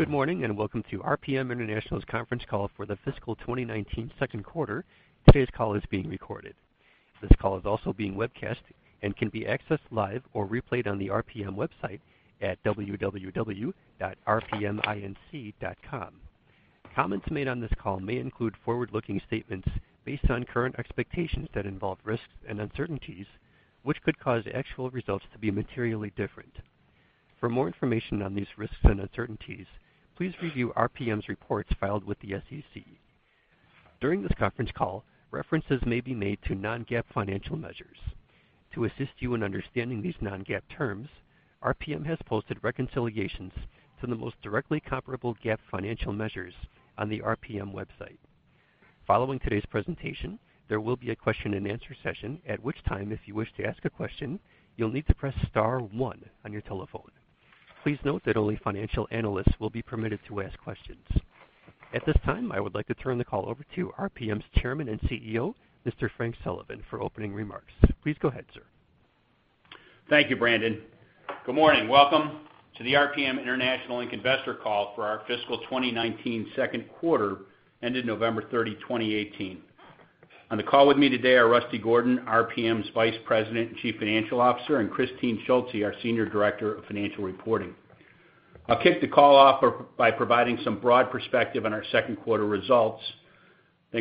Good morning, and welcome to RPM International's conference call for the fiscal 2019 second quarter. Today's call is being recorded. This call is also being webcast and can be accessed live or replayed on the RPM website at www.rpminc.com. Comments made on this call may include forward-looking statements based on current expectations that involve risks and uncertainties, which could cause actual results to be materially different. For more information on these risks and uncertainties, please review RPM's reports filed with the SEC. During this conference call, references may be made to non-GAAP financial measures. To assist you in understanding these non-GAAP terms, RPM has posted reconciliations to the most directly comparable GAAP financial measures on the RPM website. Following today's presentation, there will be a question and answer session, at which time, if you wish to ask a question, you'll need to press star one on your telephone. Please note that only financial analysts will be permitted to ask questions. At this time, I would like to turn the call over to RPM's Chairman and CEO, Mr. Frank Sullivan, for opening remarks. Please go ahead, sir. Thank you, Brandon. Good morning. Welcome to the RPM International Investor Call for our fiscal 2019 second quarter ended November 30, 2018. On the call with me today are Rusty Gordon, RPM's Vice President and Chief Financial Officer, and Kristine Schulze, our Senior Director of Financial Reporting. I'll kick the call off by providing some broad perspective on our second quarter results.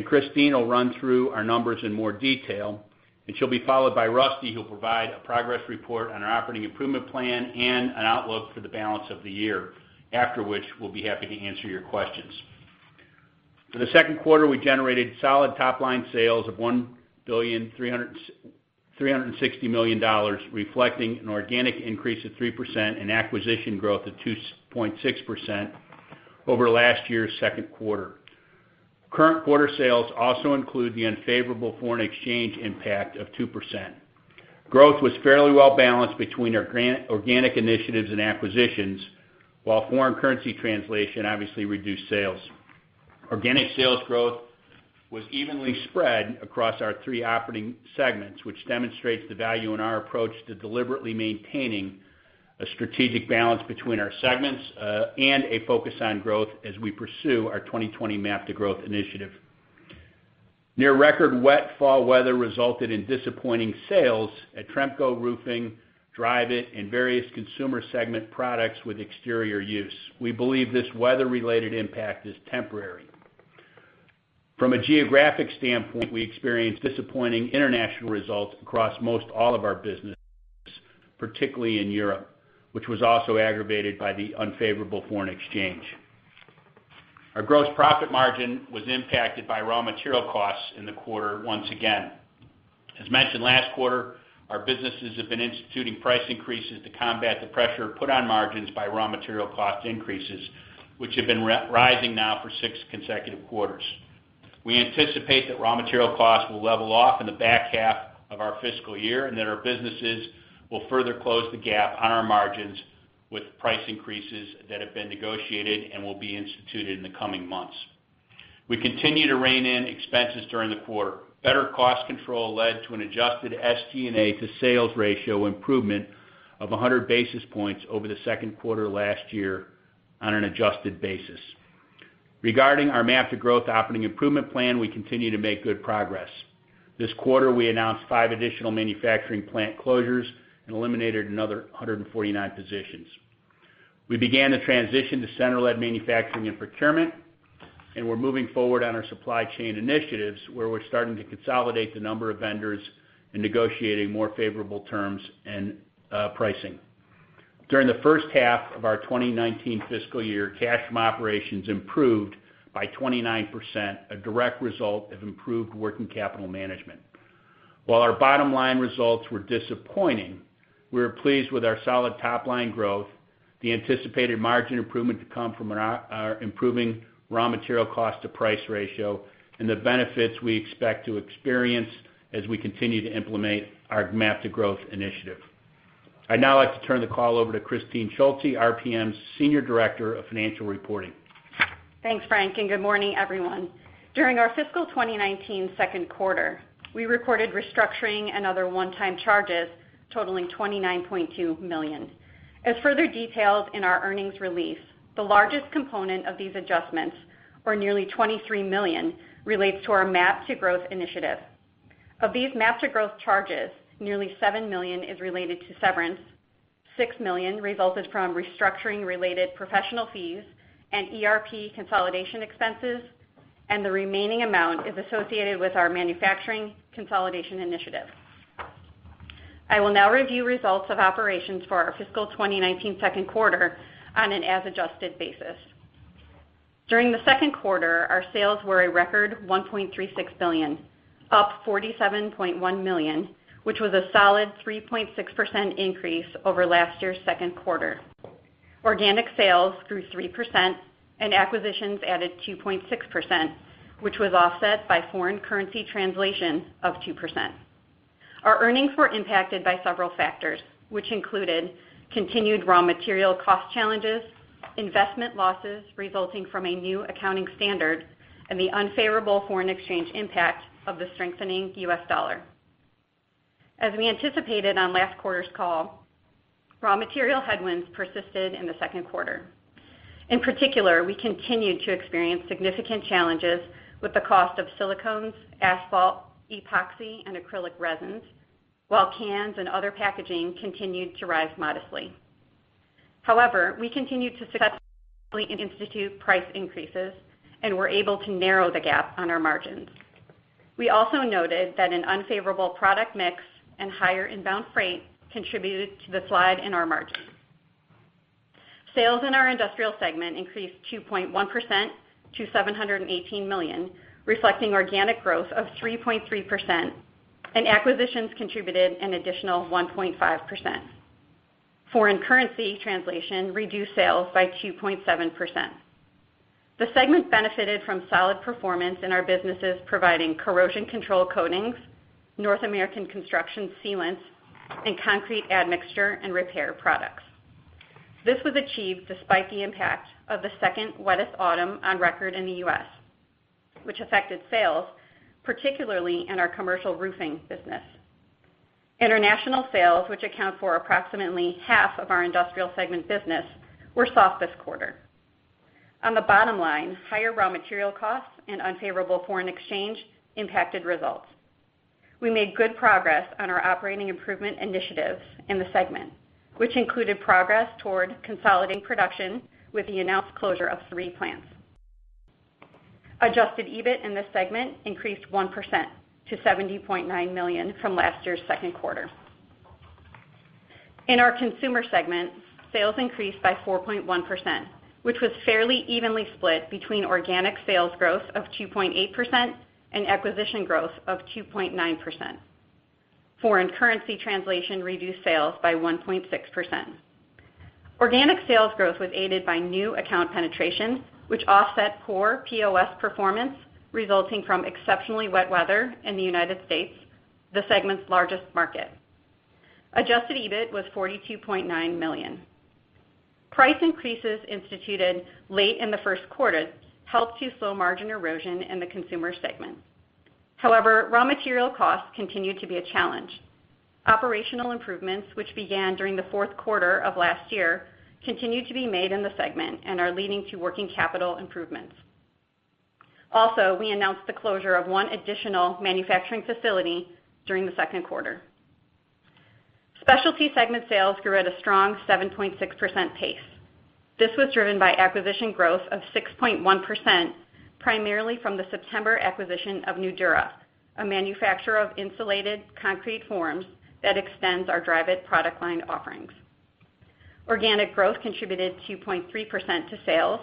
Kristine will run through our numbers in more detail, and she'll be followed by Rusty, who'll provide a progress report on our operating improvement plan and an outlook for the balance of the year. After which, we'll be happy to answer your questions. For the second quarter, we generated solid top-line sales of $1 billion, $360 million, reflecting an organic increase of 3% and acquisition growth of 2.6% over last year's second quarter. Current quarter sales also include the unfavorable foreign exchange impact of 2%. Growth was fairly well balanced between our organic initiatives and acquisitions, while foreign currency translation obviously reduced sales. Organic sales growth was evenly spread across our three operating segments, which demonstrates the value in our approach to deliberately maintaining a strategic balance between our segments and a focus on growth as we pursue our 2020 MAP to Growth initiative. Near record wet fall weather resulted in disappointing sales at Tremco Roofing, Dryvit, and various consumer segment products with exterior use. We believe this weather related impact is temporary. From a geographic standpoint, we experienced disappointing international results across most all of our businesses, particularly in Europe, which was also aggravated by the unfavorable foreign exchange. Our gross profit margin was impacted by raw material costs in the quarter once again. As mentioned last quarter, our businesses have been instituting price increases to combat the pressure put on margins by raw material cost increases, which have been rising now for six consecutive quarters. We anticipate that raw material costs will level off in the back half of our fiscal year, and that our businesses will further close the gap on our margins with price increases that have been negotiated and will be instituted in the coming months. We continue to rein in expenses during the quarter. Better cost control led to an adjusted SG&A-to-sales ratio improvement of 100 basis points over the second quarter last year on an adjusted basis. Regarding our MAP to Growth Operating Improvement Plan, we continue to make good progress. This quarter, we announced five additional manufacturing plant closures and eliminated another 149 positions. We began the transition to center-led manufacturing and procurement, we're moving forward on our supply chain initiatives, where we're starting to consolidate the number of vendors and negotiating more favorable terms and pricing. During the first half of our 2019 fiscal year, cash from operations improved by 29%, a direct result of improved working capital management. While our bottom line results were disappointing, we're pleased with our solid top-line growth, the anticipated margin improvement to come from our improving raw material cost to price ratio, and the benefits we expect to experience as we continue to implement our MAP to Growth initiative. I'd now like to turn the call over to Kristine Schulze, RPM's Senior Director of Financial Reporting. Thanks, Frank. Good morning, everyone. During our fiscal 2019 second quarter, we recorded restructuring and other one-time charges totaling $29.2 million. As further detailed in our earnings release, the largest component of these adjustments, or nearly $23 million, relates to our MAP to Growth initiative. Of these MAP to Growth charges, nearly $7 million is related to severance. $6 million resulted from restructuring related professional fees and ERP consolidation expenses, the remaining amount is associated with our manufacturing consolidation initiative. I will now review results of operations for our fiscal 2019 second quarter on an as-adjusted basis. During the second quarter, our sales were a record $1.36 billion, up $47.1 million, which was a solid 3.6% increase over last year's second quarter. Organic sales grew 3%, acquisitions added 2.6%, which was offset by foreign currency translation of 2%. Our earnings were impacted by several factors, which included continued raw material cost challenges, investment losses resulting from a new accounting standard, the unfavorable foreign exchange impact of the strengthening US dollar. As we anticipated on last quarter's call, raw material headwinds persisted in the second quarter. In particular, we continued to experience significant challenges with the cost of silicones, asphalt, epoxy, and acrylic resins, while cans and other packaging continued to rise modestly. However, we continued to successfully institute price increases and were able to narrow the gap on our margins. We also noted that an unfavorable product mix and higher inbound freight contributed to the slide in our margins. Sales in our Industrial segment increased 2.1% to $718 million, reflecting organic growth of 3.3%, acquisitions contributed an additional 1.5%. Foreign currency translation reduced sales by 2.7%. The segment benefited from solid performance in our businesses providing corrosion control coatings, North American construction sealants, and concrete admixture and repair products. This was achieved despite the impact of the second wettest autumn on record in the U.S., which affected sales, particularly in our commercial roofing business. International sales, which account for approximately half of our industrial segment business, were soft this quarter. On the bottom line, higher raw material costs and unfavorable foreign exchange impacted results. We made good progress on our operating improvement initiatives in the segment, which included progress toward consolidating production with the announced closure of three plants. Adjusted EBIT in this segment increased 1% to $70.9 million from last year's second quarter. In our consumer segment, sales increased by 4.1%, which was fairly evenly split between organic sales growth of 2.8% and acquisition growth of 2.9%. Foreign currency translation reduced sales by 1.6%. Organic sales growth was aided by new account penetration, which offset poor POS performance resulting from exceptionally wet weather in the U.S., the segment's largest market. Adjusted EBIT was $42.9 million. Price increases instituted late in the first quarter helped to slow margin erosion in the consumer segment. Raw material costs continued to be a challenge. Operational improvements, which began during the fourth quarter of last year, continue to be made in the segment and are leading to working capital improvements. We announced the closure of one additional manufacturing facility during the second quarter. Specialty segment sales grew at a strong 7.6% pace. This was driven by acquisition growth of 6.1%, primarily from the September acquisition of Nudura, a manufacturer of insulated concrete forms that extends our Dryvit product line offerings. Organic growth contributed 2.3% to sales,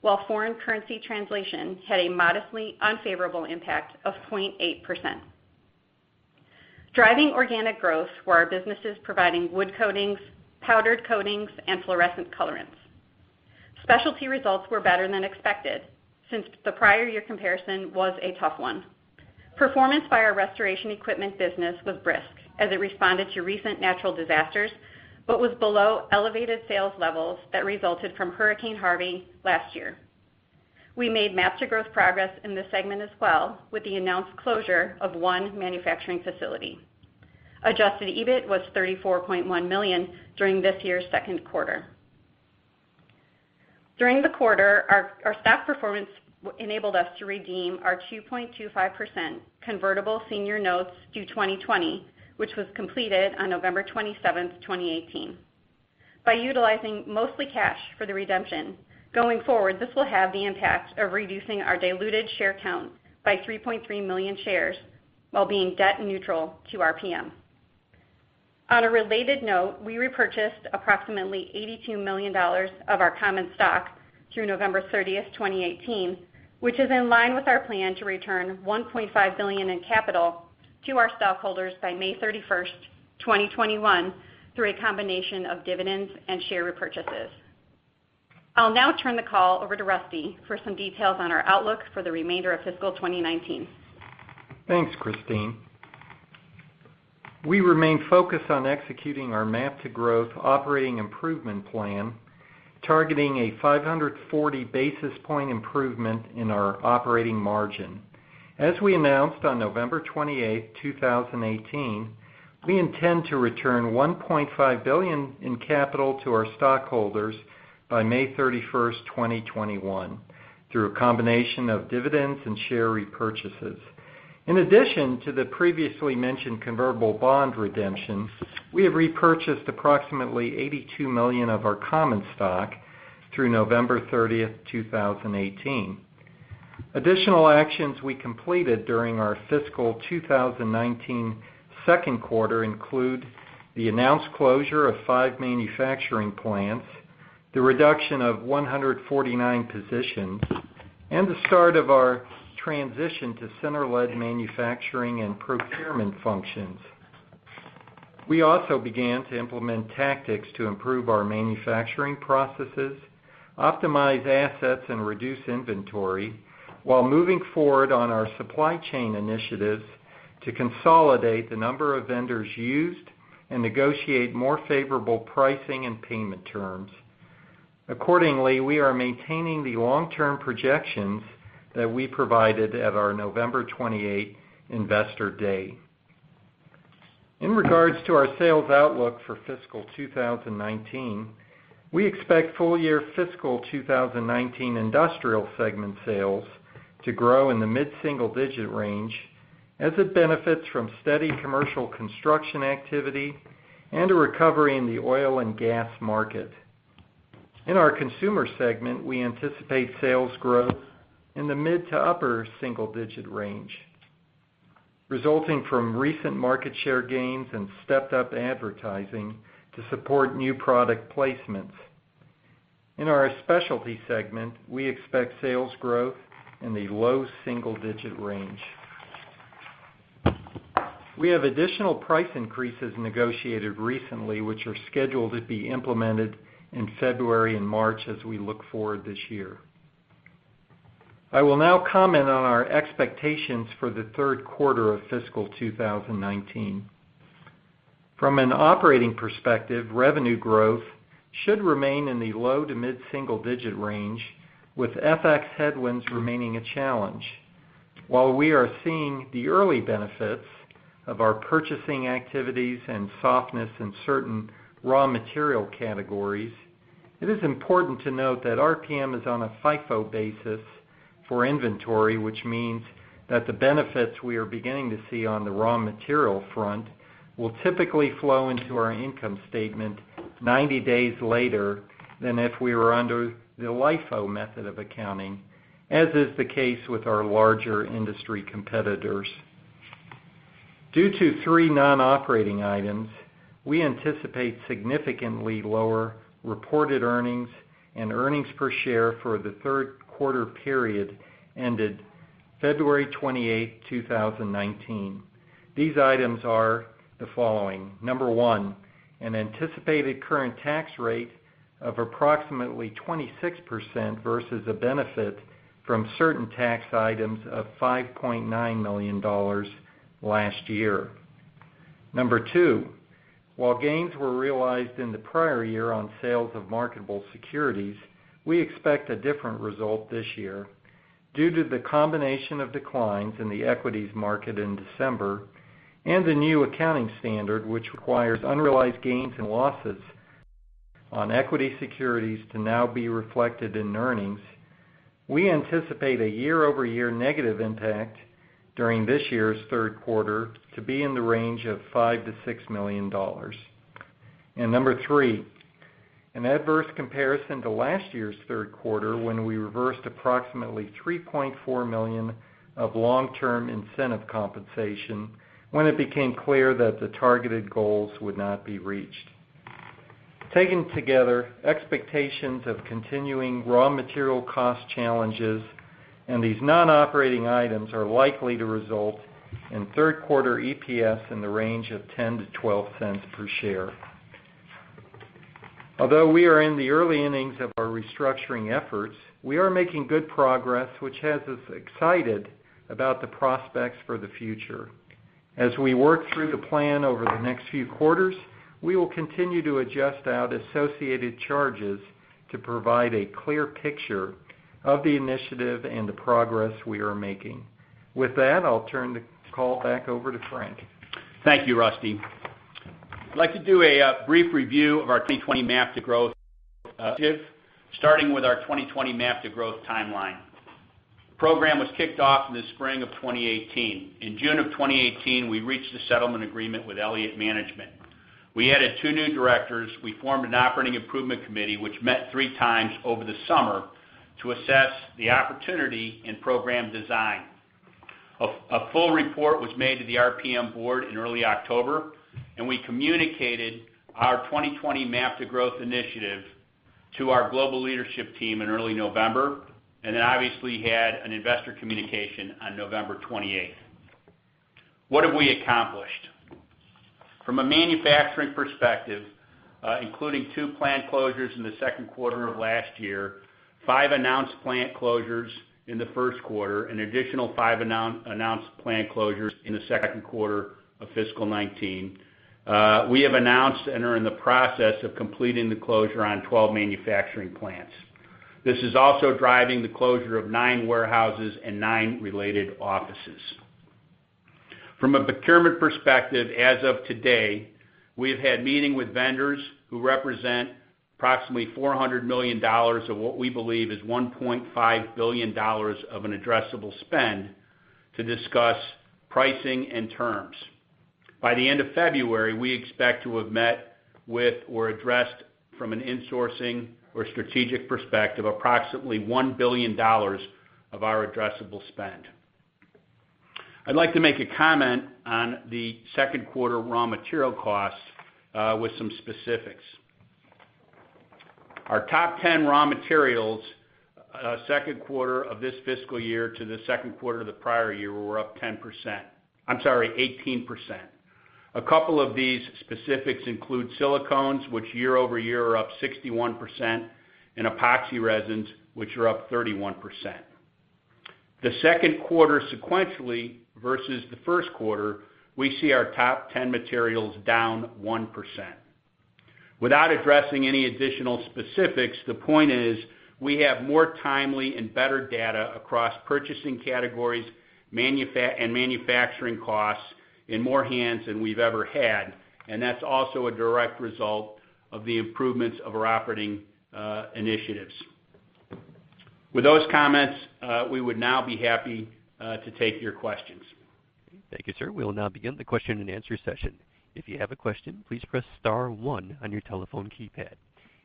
while foreign currency translation had a modestly unfavorable impact of 0.8%. Driving organic growth were our businesses providing wood coatings, powdered coatings, and fluorescent colorants. Specialty results were better than expected since the prior year comparison was a tough one. Performance by our restoration equipment business was brisk as it responded to recent natural disasters but was below elevated sales levels that resulted from Hurricane Harvey last year. We made MAP to Growth progress in this segment as well with the announced closure of one manufacturing facility. Adjusted EBIT was $34.1 million during this year's second quarter. During the quarter, our stock performance enabled us to redeem our 2.25% convertible senior notes due 2020, which was completed on November 27th, 2018. By utilizing mostly cash for the redemption, going forward, this will have the impact of reducing our diluted share count by 3.3 million shares while being debt neutral to RPM. We repurchased approximately $82 million of our common stock through November 30th, 2018, which is in line with our plan to return $1.5 billion in capital to our stockholders by May 31st, 2021, through a combination of dividends and share repurchases. I'll now turn the call over to Rusty for some details on our outlook for the remainder of fiscal 2019. Thanks, Kristine. We remain focused on executing our MAP to Growth operating improvement plan, targeting a 540 basis point improvement in our operating margin. As we announced on November 28th, 2018, we intend to return $1.5 billion in capital to our stockholders by May 31st, 2021, through a combination of dividends and share repurchases. In addition to the previously mentioned convertible bond redemption, we have repurchased approximately $82 million of our common stock through November 30th, 2018. Additional actions we completed during our fiscal 2019 second quarter include the announced closure of five manufacturing plants, the reduction of 149 positions, and the start of our transition to center-led manufacturing and procurement functions. We also began to implement tactics to improve our manufacturing processes, optimize assets, and reduce inventory while moving forward on our supply chain initiatives to consolidate the number of vendors used and negotiate more favorable pricing and payment terms. Accordingly, we are maintaining the long-term projections that we provided at our November 28th Investor Day. In regards to our sales outlook for fiscal 2019, we expect full year fiscal 2019 industrial segment sales to grow in the mid-single digit range as it benefits from steady commercial construction activity and a recovery in the oil and gas market. In our consumer segment, we anticipate sales growth in the mid to upper single digit range, resulting from recent market share gains and stepped-up advertising to support new product placements. In our specialty segment, we expect sales growth in the low single digit range. We have additional price increases negotiated recently, which are scheduled to be implemented in February and March as we look forward this year. I will now comment on our expectations for the third quarter of fiscal 2019. From an operating perspective, revenue growth should remain in the low to mid-single digit range, with FX headwinds remaining a challenge. While we are seeing the early benefits of our purchasing activities and softness in certain raw material categories, it is important to note that RPM is on a FIFO basis for inventory, which means that the benefits we are beginning to see on the raw material front will typically flow into our income statement 90 days later than if we were under the LIFO method of accounting, as is the case with our larger industry competitors. Due to three non-operating items, we anticipate significantly lower reported earnings and earnings per share for the third quarter period ended February 28, 2019. These items are the following. Number one, an anticipated current tax rate of approximately 26% versus a benefit from certain tax items of $5.9 million last year. Number two, while gains were realized in the prior year on sales of marketable securities, we expect a different result this year due to the combination of declines in the equities market in December and the new accounting standard, which requires unrealized gains and losses on equity securities to now be reflected in earnings. We anticipate a year-over-year negative impact during this year's third quarter to be in the range of $5 million-$6 million. number three, an adverse comparison to last year's third quarter, when we reversed approximately $3.4 million of long-term incentive compensation when it became clear that the targeted goals would not be reached. Taken together, expectations of continuing raw material cost challenges and these non-operating items are likely to result in third quarter EPS in the range of $0.10-$0.12 per share. Although we are in the early innings of our restructuring efforts, we are making good progress, which has us excited about the prospects for the future. As we work through the plan over the next few quarters, we will continue to adjust out associated charges to provide a clear picture of the initiative and the progress we are making. With that, I'll turn the call back over to Frank. Thank you, Rusty. I'd like to do a brief review of our 2020 MAP to Growth initiative, starting with our 2020 MAP to Growth timeline. The program was kicked off in the spring of 2018. In June of 2018, we reached a settlement agreement with Elliott Management. We added two new directors. We formed an operating improvement committee, which met three times over the summer to assess the opportunity and program design. A full report was made to the RPM Board in early October. We communicated our 2020 MAP to Growth initiative to our global leadership team in early November. Then obviously had an investor communication on November 28th. What have we accomplished? From a manufacturing perspective, including two plant closures in the second quarter of last year, five announced plant closures in the first quarter, an additional five announced plant closures in the second quarter of fiscal 2019. We have announced and are in the process of completing the closure on 12 manufacturing plants. This is also driving the closure of nine warehouses and nine related offices. From a procurement perspective, as of today, we have had meeting with vendors who represent approximately $400 million of what we believe is $1.5 billion of an addressable spend to discuss pricing and terms. By the end of February, we expect to have met with or addressed from an insourcing or strategic perspective, approximately $1 billion of our addressable spend. I'd like to make a comment on the second quarter raw material cost with some specifics. Our top 10 raw materials, second quarter of this fiscal year to the second quarter of the prior year were up 18%. A couple of these specifics include silicones, which year-over-year are up 61%, and epoxy resins, which are up 31%. The second quarter sequentially versus the first quarter, we see our top 10 materials down 1%. Without addressing any additional specifics, the point is we have more timely and better data across purchasing categories and manufacturing costs in more hands than we've ever had. That's also a direct result of the improvements of our operating initiatives. With those comments, we would now be happy to take your questions. Thank you, sir. We'll now begin the question and answer session. If you have a question, please press star one on your telephone keypad.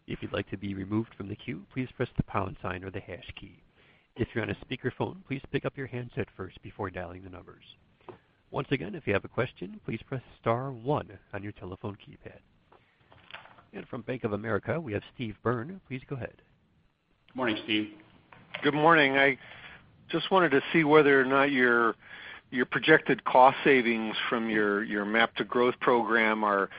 If you'd like to be removed from the queue, please press the pound sign or the hash key. If you're on a speakerphone, please pick up your handset first before dialing the numbers. Once again, if you have a question, please press star one on your telephone keypad. From Bank of America, we have Steve Byrne. Please go ahead. Morning, Steve. Good morning. I just wanted to see whether or not your projected cost savings from your MAP to Growth program are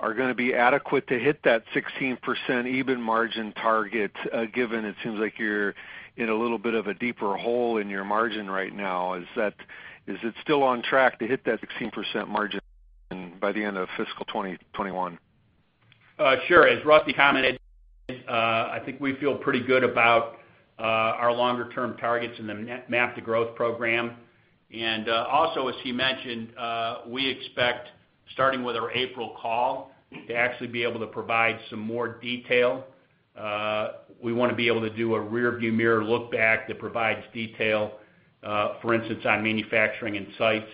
going to be adequate to hit that 16% EBIT margin target, given it seems like you're in a little bit of a deeper hole in your margin right now. Is it still on track to hit that 16% margin by the end of fiscal 2021? Sure. As Rusty commented, I think we feel pretty good about our longer-term targets in the MAP to Growth program. Also, as he mentioned, we expect, starting with our April call, to actually be able to provide some more detail. We want to be able to do a rearview mirror look back that provides detail, for instance, on manufacturing and sites,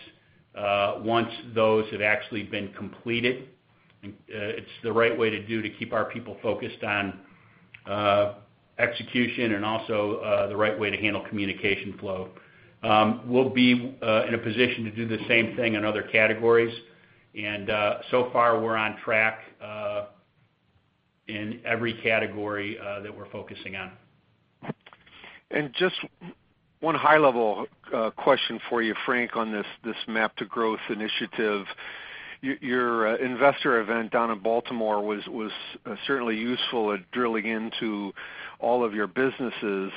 once those have actually been completed. It's the right way to do to keep our people focused on execution and also the right way to handle communication flow. We'll be in a position to do the same thing in other categories, so far, we're on track in every category that we're focusing on. Just one high-level question for you, Frank, on this MAP to Growth initiative. Your investor event down in Baltimore was certainly useful at drilling into all of your businesses.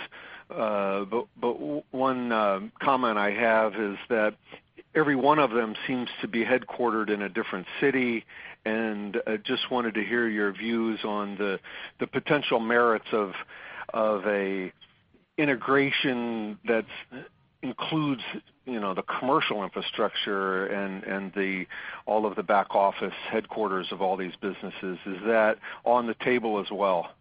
One comment I have is that every one of them seems to be headquartered in a different city, and I just wanted to hear your views on the potential merits of an integration that includes the commercial infrastructure and all of the back office headquarters of all these businesses. Is that on the table as well?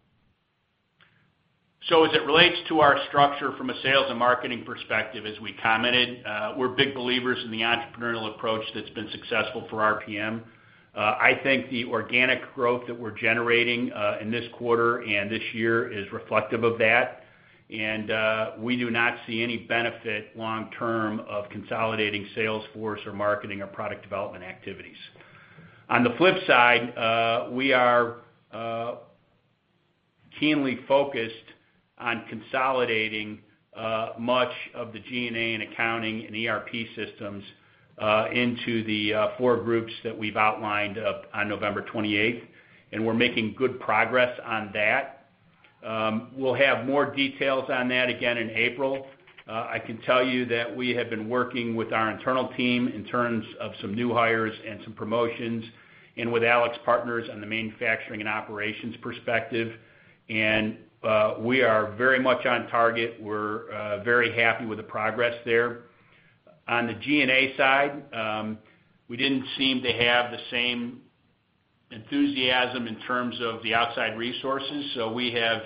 As it relates to our structure from a sales and marketing perspective, as we commented, we're big believers in the entrepreneurial approach that's been successful for RPM International. I think the organic growth that we're generating in this quarter and this year is reflective of that, and we do not see any benefit long term of consolidating sales force or marketing or product development activities. On the flip side, we are keenly focused on consolidating much of the G&A and accounting and ERP systems into the four groups that we've outlined on November 28th, and we're making good progress on that. We'll have more details on that again in April. I can tell you that we have been working with our internal team in terms of some new hires and some promotions, and with AlixPartners on the manufacturing and operations perspective, and we are very much on target. We're very happy with the progress there. On the G&A side, we didn't seem to have the same enthusiasm in terms of the outside resources. We have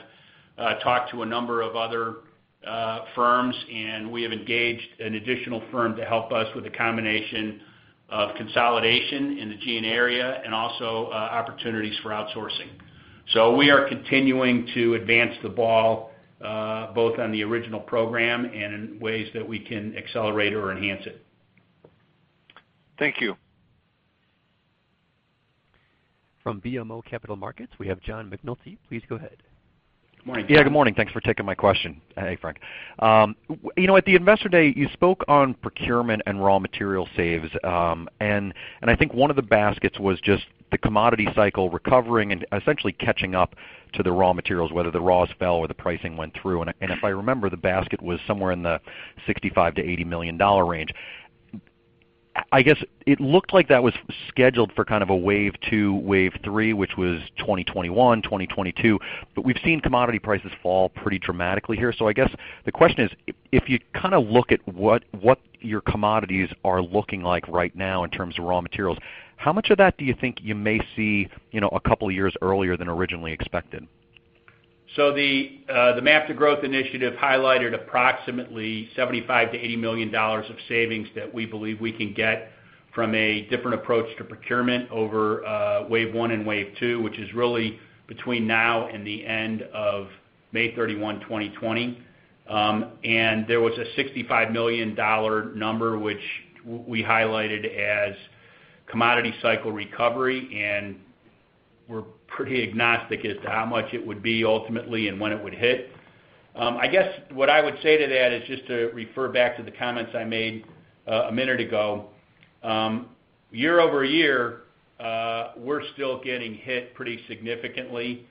talked to a number of other firms, and we have engaged an additional firm to help us with a combination of consolidation in the G&A area and also opportunities for outsourcing. We are continuing to advance the ball both on the original program and in ways that we can accelerate or enhance it. Thank you. From BMO Capital Markets, we have John McNulty. Please go ahead. Morning, John. Yeah, good morning. Thanks for taking my question. Hey, Frank. At the Investor Day, you spoke on procurement and raw material saves, and I think one of the baskets was just the commodity cycle recovering and essentially catching up to the raw materials, whether the raws fell or the pricing went through. If I remember, the basket was somewhere in the $65 million-$80 million range. I guess it looked like that was scheduled for kind of a wave 2, wave 3, which was 2021, 2022, but we've seen commodity prices fall pretty dramatically here. I guess the question is, if you look at what your commodities are looking like right now in terms of raw materials, how much of that do you think you may see a couple of years earlier than originally expected? The MAP to Growth initiative highlighted approximately $75 million-$80 million of savings that we believe we can get from a different approach to procurement over wave 1 and wave 2, which is really between now and the end of May 31, 2020. There was a $65 million number, which we highlighted as commodity cycle recovery. We're pretty agnostic as to how much it would be ultimately and when it would hit. I guess what I would say to that is just to refer back to the comments I made a minute ago. Year-over-year, we're still getting hit pretty significantly.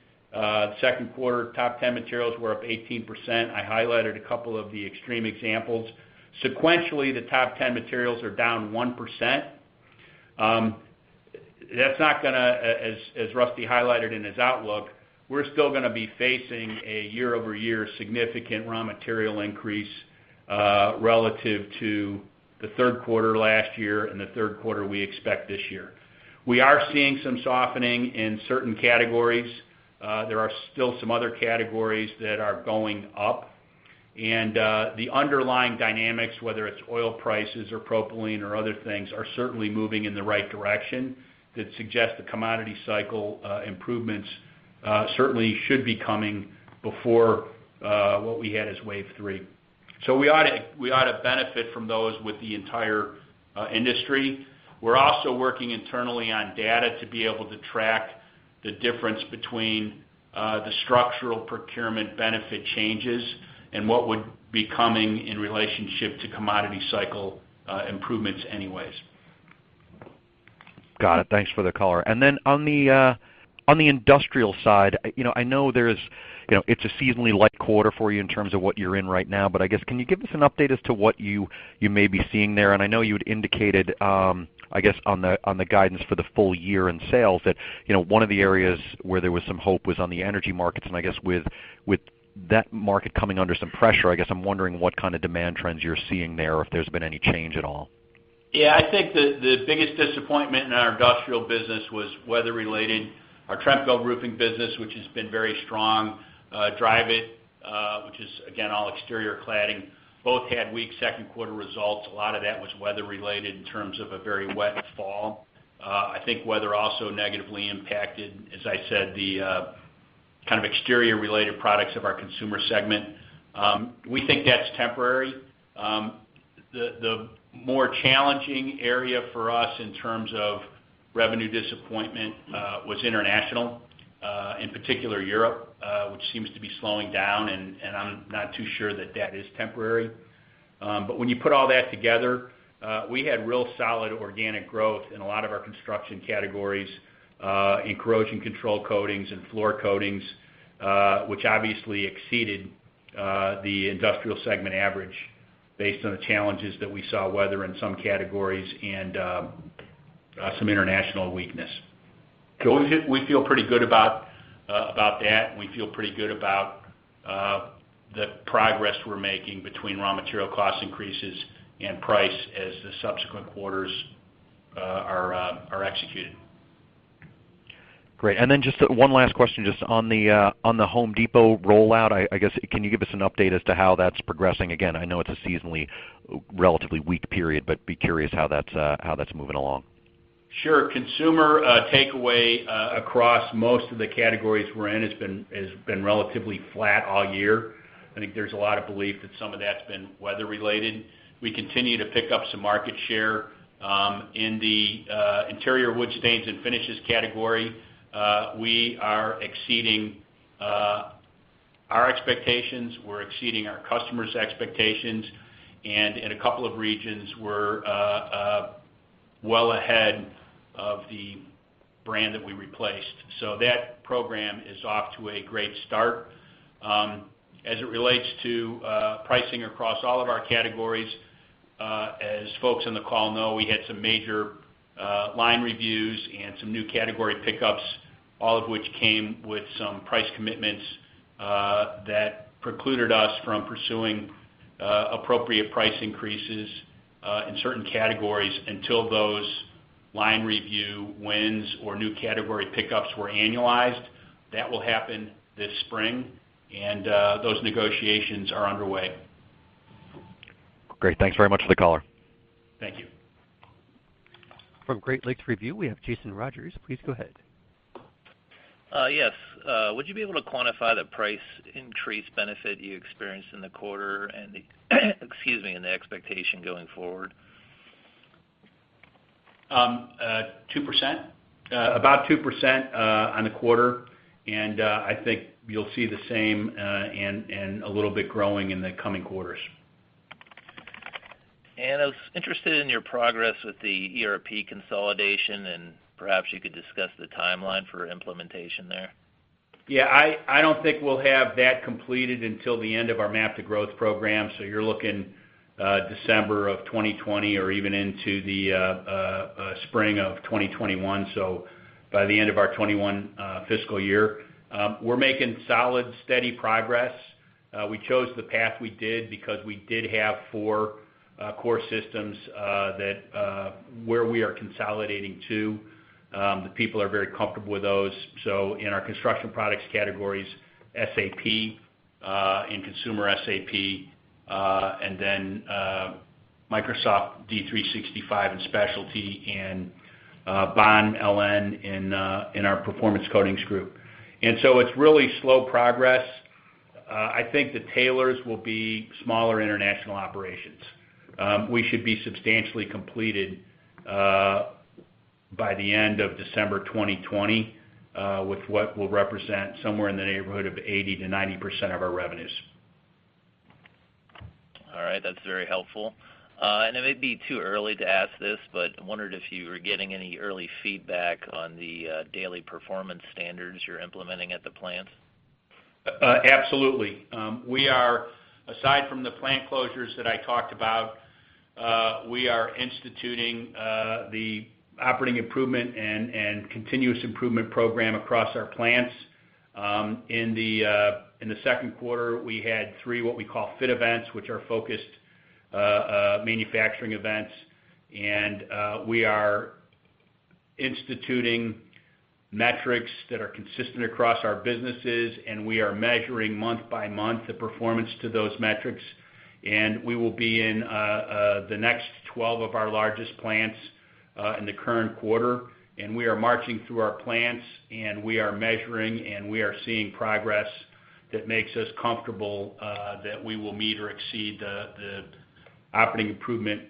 Second quarter top 10 materials were up 18%. I highlighted a couple of the extreme examples. Sequentially, the top 10 materials are down 1%. That's not going to, as Rusty highlighted in his outlook, we're still going to be facing a year-over-year significant raw material increase relative to the third quarter last year and the third quarter we expect this year. We are seeing some softening in certain categories. There are still some other categories that are going up. The underlying dynamics, whether it's oil prices or propylene or other things, are certainly moving in the right direction that suggest the commodity cycle improvements certainly should be coming before what we had as wave 3. We ought to benefit from those with the entire industry. We're also working internally on data to be able to track the difference between the structural procurement benefit changes and what would be coming in relationship to commodity cycle improvements anyways. Got it. Thanks for the color. On the industrial side, I know it's a seasonally light quarter for you in terms of what you're in right now, but I guess, can you give us an update as to what you may be seeing there? I know you had indicated, I guess, on the guidance for the full year in sales that one of the areas where there was some hope was on the energy markets. I guess with that market coming under some pressure, I guess I'm wondering what kind of demand trends you're seeing there, if there's been any change at all. Yeah, I think the biggest disappointment in our industrial business was weather related. Our Tremco Roofing business, which has been very strong, Dryvit, which is again, all exterior cladding, both had weak second quarter results. A lot of that was weather related in terms of a very wet fall. I think weather also negatively impacted, as I said, the kind of exterior related products of our consumer segment. We think that's temporary. The more challenging area for us in terms of revenue disappointment was international, in particular Europe, which seems to be slowing down, and I'm not too sure that that is temporary. When you put all that together, we had real solid organic growth in a lot of our construction categories, in corrosion control coatings and floor coatings, which obviously exceeded the industrial segment average based on the challenges that we saw weather in some categories and some international weakness. We feel pretty good about that, and we feel pretty good about the progress we're making between raw material cost increases and price as the subsequent quarters are executed. Great. Then just one last question, just on the Home Depot rollout, I guess, can you give us an update as to how that's progressing? Again, I know it's a seasonally relatively weak period, but be curious how that's moving along. Sure. Consumer takeaway across most of the categories we're in has been relatively flat all year. I think there's a lot of belief that some of that's been weather related. We continue to pick up some market share in the interior wood stains and finishes category. We are exceeding our expectations. We're exceeding our customers' expectations. In a couple of regions, we're well ahead of the brand that we replaced. That program is off to a great start. As it relates to pricing across all of our categories, as folks on the call know, we had some major line reviews and some new category pickups, all of which came with some price commitments that precluded us from pursuing appropriate price increases in certain categories until those line review wins or new category pickups were annualized. That will happen this spring, and those negotiations are underway. Great. Thanks very much for the color. Thank you. From Great Lakes Review, we have Jason Rogers. Please go ahead. Yes. Would you be able to quantify the price increase benefit you experienced in the quarter and the excuse me, and the expectation going forward? 2%. About 2% on the quarter, I think you'll see the same and a little bit growing in the coming quarters. I was interested in your progress with the ERP consolidation, and perhaps you could discuss the timeline for implementation there. I don't think we'll have that completed until the end of our MAP to Growth program, so you're looking December 2020 or even into the spring 2021, so by the end of our 2021 fiscal year. We're making solid, steady progress. We chose the path we did because we did have four core systems that we are consolidating to. The people are very comfortable with those. In our construction products categories, SAP, in consumer SAP, Microsoft D365 in specialty, and Baan LN in our performance coatings group. It's really slow progress. I think the tail ends will be smaller international operations. We should be substantially completed by the end of December 2020 with what will represent somewhere in the neighborhood of 80%-90% of our revenues. All right. That's very helpful. It may be too early to ask this, but I wondered if you were getting any early feedback on the daily performance standards you're implementing at the plants. Absolutely. Aside from the plant closures that I talked about, we are instituting the operating improvement and continuous improvement program across our plants. In the second quarter, we had three, what we call FIT events, which are focused manufacturing events. We are instituting metrics that are consistent across our businesses, and we are measuring month by month the performance to those metrics. We will be in the next 12 of our largest plants in the current quarter. We are marching through our plants, and we are measuring, and we are seeing progress that makes us comfortable that we will meet or exceed the operating improvement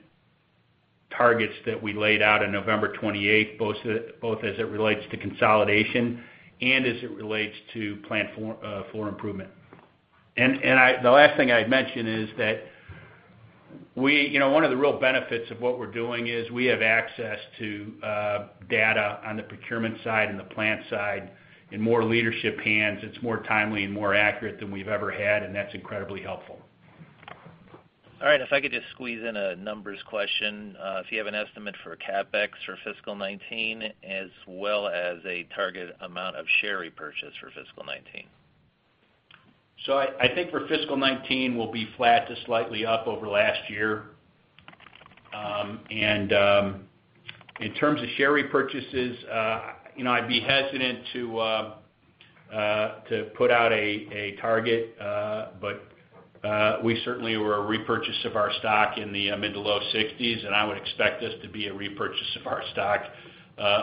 targets that we laid out on November 28th, both as it relates to consolidation and as it relates to plant floor improvement. The last thing I'd mention is that one of the real benefits of what we're doing is we have access to data on the procurement side and the plant side in more leadership hands. It's more timely and more accurate than we've ever had, and that's incredibly helpful. All right. If I could just squeeze in a numbers question. If you have an estimate for CapEx for fiscal 2019 as well as a target amount of share repurchase for fiscal 2019. I think for fiscal 2019, we'll be flat to slightly up over last year. In terms of share repurchases, I'd be hesitant to put out a target. We certainly were a repurchase of our stock in the mid to low $60s million, and I would expect us to be a repurchase of our stock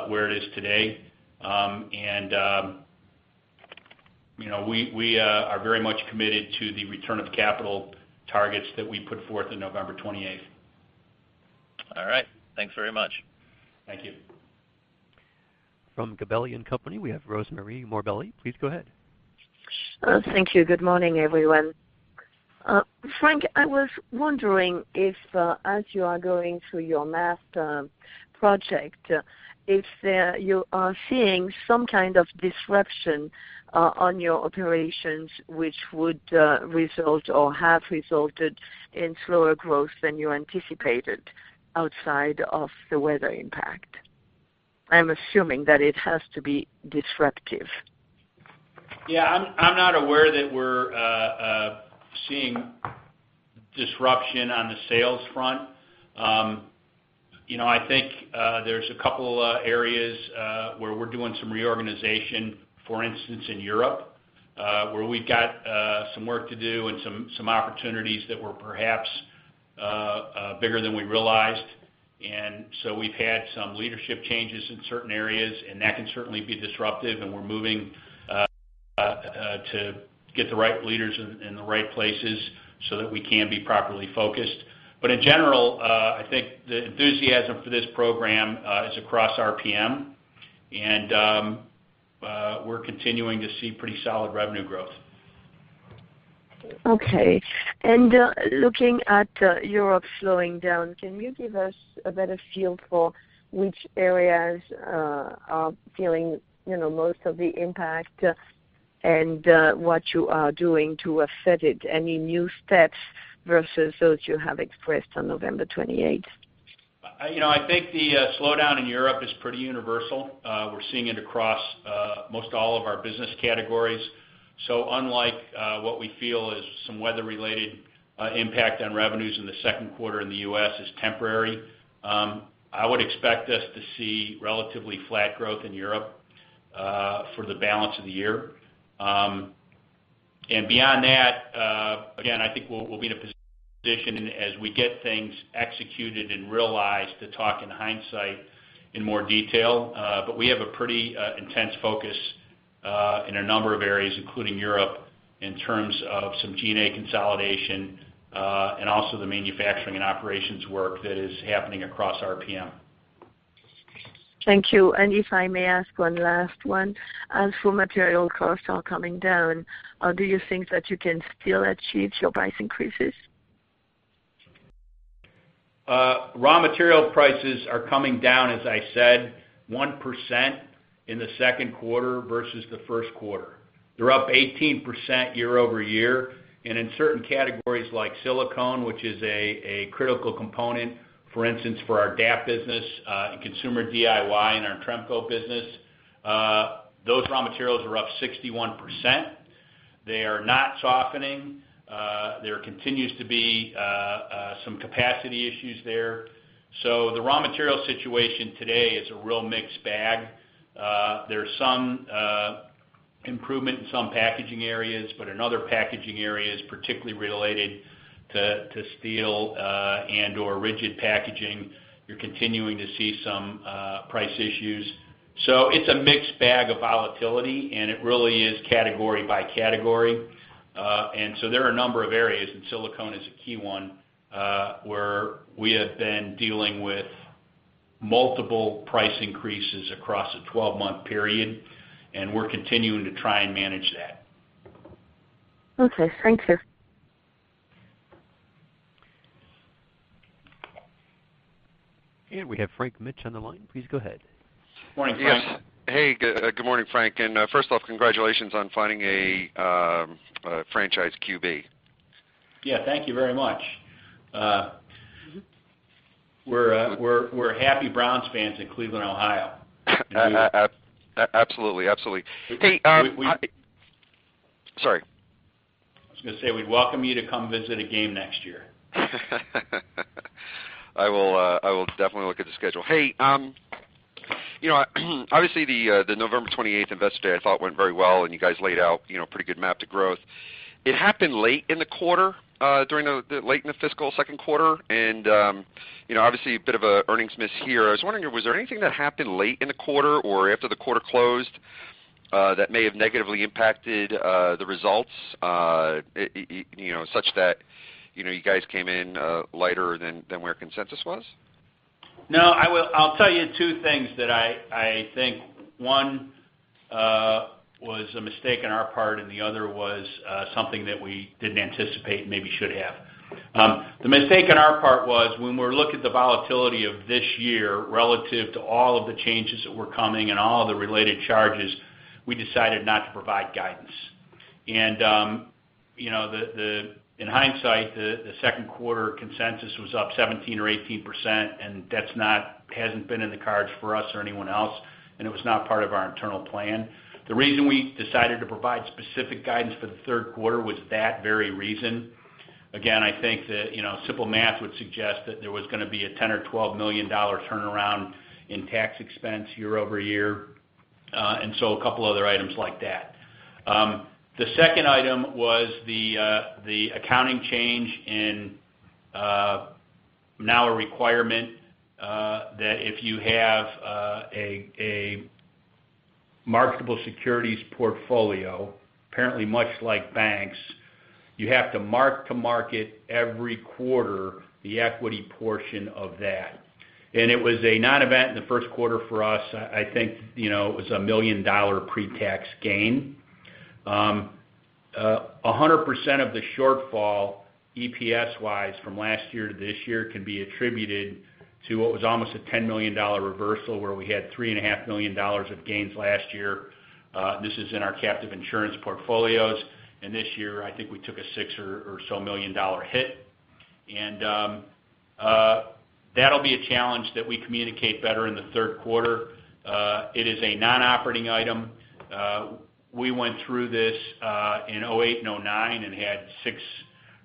where it is today. We are very much committed to the return of capital targets that we put forth in November 28th. All right. Thanks very much. Thank you. From Gabelli & Company, we have Rosemarie Morbelli. Please go ahead. Thank you. Good morning, everyone. Frank, I was wondering if as you are going through your MAP to Growth project, if you are seeing some kind of disruption on your operations which would result or have resulted in slower growth than you anticipated outside of the weather impact. I'm assuming that it has to be disruptive. Yeah, I'm not aware that we're seeing disruption on the sales front. I think there's a couple areas where we're doing some reorganization. For instance, in Europe where we've got some work to do and some opportunities that were perhaps bigger than we realized. So we've had some leadership changes in certain areas, and that can certainly be disruptive, and we're moving to get the right leaders in the right places so that we can be properly focused. In general, I think the enthusiasm for this program is across RPM, and we're continuing to see pretty solid revenue growth. Okay. Looking at Europe slowing down, can you give us a better feel for which areas are feeling most of the impact and what you are doing to offset it? Any new steps versus those you have expressed on November 28th? I think the slowdown in Europe is pretty universal. We're seeing it across most all of our business categories. Unlike what we feel is some weather related impact on revenues in the second quarter in the U.S. is temporary. I would expect us to see relatively flat growth in Europe for the balance of the year. Beyond that, again, I think we'll be in a position as we get things executed and realized to talk in hindsight in more detail. We have a pretty intense focus in a number of areas, including Europe, in terms of some G&A consolidation and also the manufacturing and operations work that is happening across RPM. Thank you. If I may ask one last one. As raw material costs are coming down, do you think that you can still achieve your price increases? Raw material prices are coming down, as I said, 1% in the second quarter versus the first quarter. They're up 18% year-over-year. In certain categories like silicone, which is a critical component, for instance, for our DAP business and consumer DIY and our Tremco business, those raw materials are up 61%. They are not softening. There continues to be some capacity issues there. The raw material situation today is a real mixed bag. There's some improvement in some packaging areas, but in other packaging areas, particularly related to steel and/or rigid packaging, you're continuing to see some price issues. It's a mixed bag of volatility, and it really is category by category. There are a number of areas, and silicone is a key one where we have been dealing with multiple price increases across a 12-month period, we're continuing to try and manage that. Okay. Thanks, sir. We have Frank Mitsch on the line. Please go ahead. Morning, Frank. Hey. Good morning, Frank. First off, congratulations on finding a franchise QB. Yeah, thank you very much. We're happy Browns fans in Cleveland, Ohio. Absolutely. We- Sorry. I was going to say, we'd welcome you to come visit a game next year. I will definitely look at the schedule. Hey, obviously, the November 28th Investor Day, I thought went very well, and you guys laid out a pretty good MAP to Growth. It happened late in the quarter, late in the fiscal second quarter, and obviously, a bit of a earnings miss here. I was wondering, was there anything that happened late in the quarter or after the quarter closed, that may have negatively impacted the results, such that you guys came in lighter than where consensus was? No. I'll tell you two things that I think. One was a mistake on our part, and the other was something that we didn't anticipate and maybe should have. The mistake on our part was when we looked at the volatility of this year relative to all of the changes that were coming and all of the related charges, we decided not to provide guidance. In hindsight, the second quarter consensus was up 17% or 18%, and that hasn't been in the cards for us or anyone else, and it was not part of our internal plan. The reason we decided to provide specific guidance for the third quarter was that very reason. Again, I think that simple math would suggest that there was going to be a $10 million or $12 million turnaround in tax expense year-over-year, a couple other items like that. The second item was the accounting change in now a requirement, that if you have a marketable securities portfolio, apparently much like banks, you have to mark to market every quarter the equity portion of that. It was a non-event in the first quarter for us. I think it was a $1 million pre-tax gain. 100% of the shortfall, EPS-wise from last year to this year can be attributed to what was almost a $10 million reversal where we had $3.5 million of gains last year. This is in our captive insurance portfolios. This year, I think we took a $6 million or so hit. That'll be a challenge that we communicate better in the third quarter. It is a non-operating item. We went through this in 2008 and 2009 and had six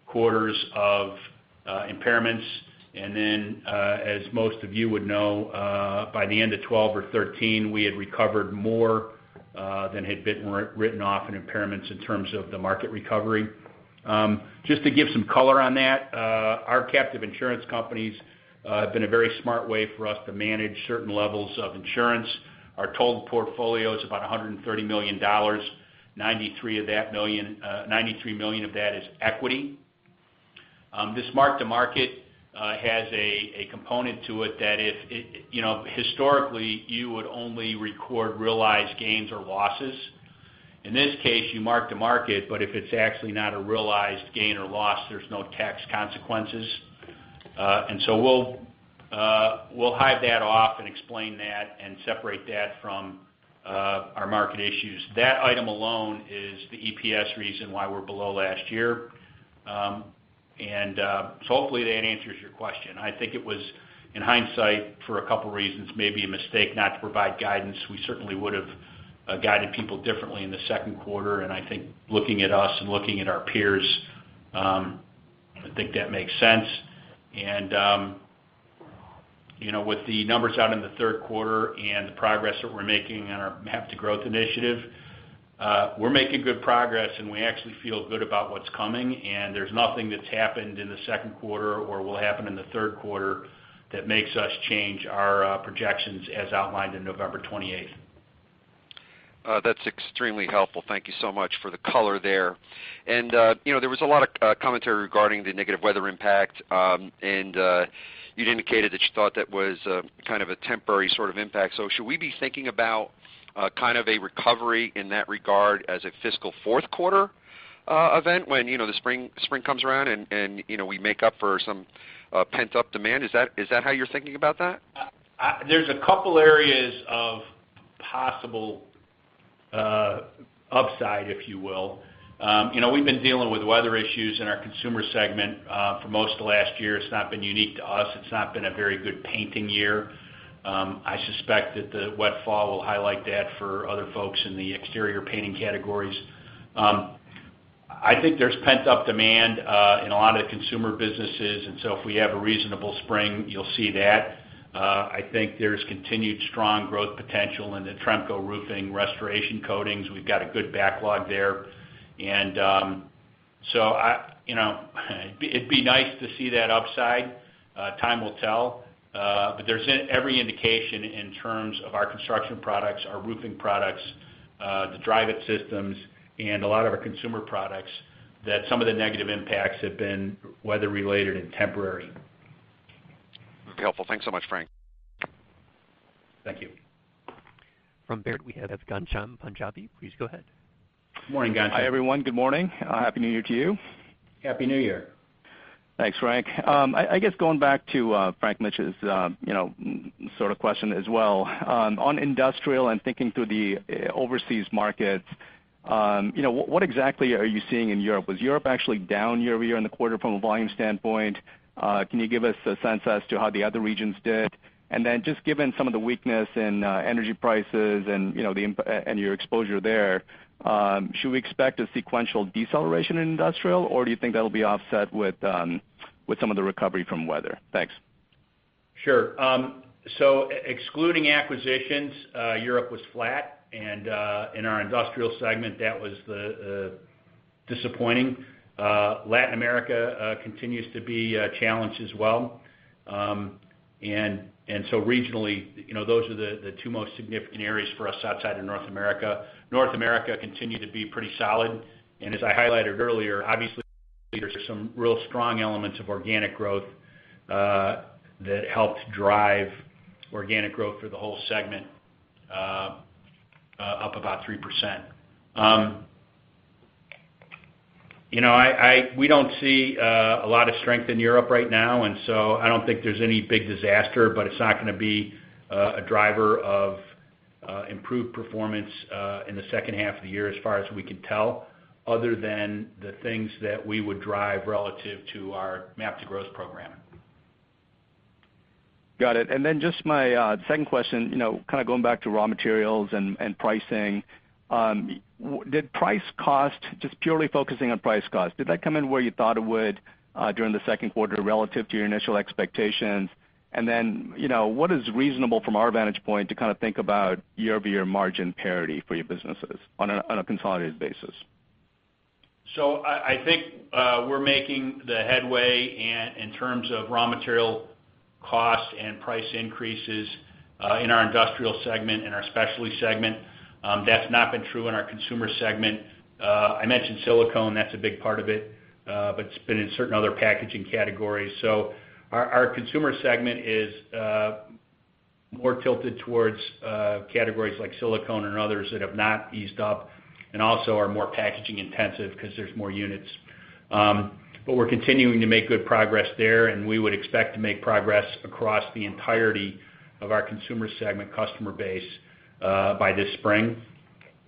quarters of impairments. As most of you would know, by the end of 2012 or 2013, we had recovered more than had been written off in impairments in terms of the market recovery. Just to give some color on that, our captive insurance companies have been a very smart way for us to manage certain levels of insurance. Our total portfolio is about $130 million. $93 million of that is equity. This mark-to-market has a component to it that historically, you would only record realized gains or losses. In this case, you mark-to-market, but if it's actually not a realized gain or loss, there's no tax consequences. We'll hive that off and explain that and separate that from our market issues. That item alone is the EPS reason why we're below last year. Hopefully that answers your question. I think it was in hindsight, for a couple of reasons, maybe a mistake not to provide guidance. We certainly would have guided people differently in the second quarter, and I think looking at us and looking at our peers, I think that makes sense. With the numbers out in the third quarter and the progress that we're making on our MAP to Growth initiative, we're making good progress, and we actually feel good about what's coming, and there's nothing that's happened in the second quarter or will happen in the third quarter that makes us change our projections as outlined in November 28th. That's extremely helpful. Thank you so much for the color there. There was a lot of commentary regarding the negative weather impact. You'd indicated that you thought that was kind of a temporary sort of impact. Should we be thinking about a kind of a recovery in that regard as a fiscal fourth quarter event when the spring comes around and we make up for some pent-up demand? Is that how you're thinking about that? There's a couple areas of possible upside, if you will. We've been dealing with weather issues in our consumer segment for most of last year. It's not been unique to us. It's not been a very good painting year. I suspect that the wet fall will highlight that for other folks in the exterior painting categories. I think there's pent-up demand in a lot of consumer businesses. If we have a reasonable spring, you'll see that. I think there's continued strong growth potential in the Tremco Roofing restoration coatings. We've got a good backlog there. It'd be nice to see that upside. Time will tell. There's every indication in terms of our construction products, our roofing products, the Dryvit systems, and a lot of our consumer products, that some of the negative impacts have been weather related and temporary. Very helpful. Thanks so much, Frank. Thank you. From Baird, we have Ghansham Panjabi. Please go ahead. Morning, Ghansham. Hi, everyone. Good morning. Happy New Year to you. Happy New Year. Thanks, Frank. I guess going back to Frank Mitsch's sort of question as well, on industrial and thinking through the overseas markets, what exactly are you seeing in Europe? Was Europe actually down year-over-year in the quarter from a volume standpoint? Can you give us a sense as to how the other regions did? Just given some of the weakness in energy prices and your exposure there, should we expect a sequential deceleration in industrial, or do you think that'll be offset with some of the recovery from weather? Thanks. Sure. Excluding acquisitions, Europe was flat. In our industrial segment, that was disappointing. Latin America continues to be a challenge as well. Regionally, those are the two most significant areas for us outside of North America. North America continued to be pretty solid. As I highlighted earlier, obviously, there's some real strong elements of organic growth that helped drive organic growth through the whole segment up about 3%. We don't see a lot of strength in Europe right now, I don't think there's any big disaster, but it's not going to be a driver of improved performance in the second half of the year as far as we can tell, other than the things that we would drive relative to our MAP to Growth program. Got it. Just my second question, kind of going back to raw materials and pricing. Just purely focusing on price cost, did that come in where you thought it would during the second quarter relative to your initial expectations? What is reasonable from our vantage point to kind of think about year-over-year margin parity for your businesses on a consolidated basis? I think we're making the headway in terms of raw material cost and price increases in our industrial segment and our specialty segment. That's not been true in our consumer segment. I mentioned silicone, that's a big part of it, but it's been in certain other packaging categories. Our consumer segment is more tilted towards categories like silicone and others that have not eased up and also are more packaging intensive because there's more units. We're continuing to make good progress there, and we would expect to make progress across the entirety of our consumer segment customer base by this spring.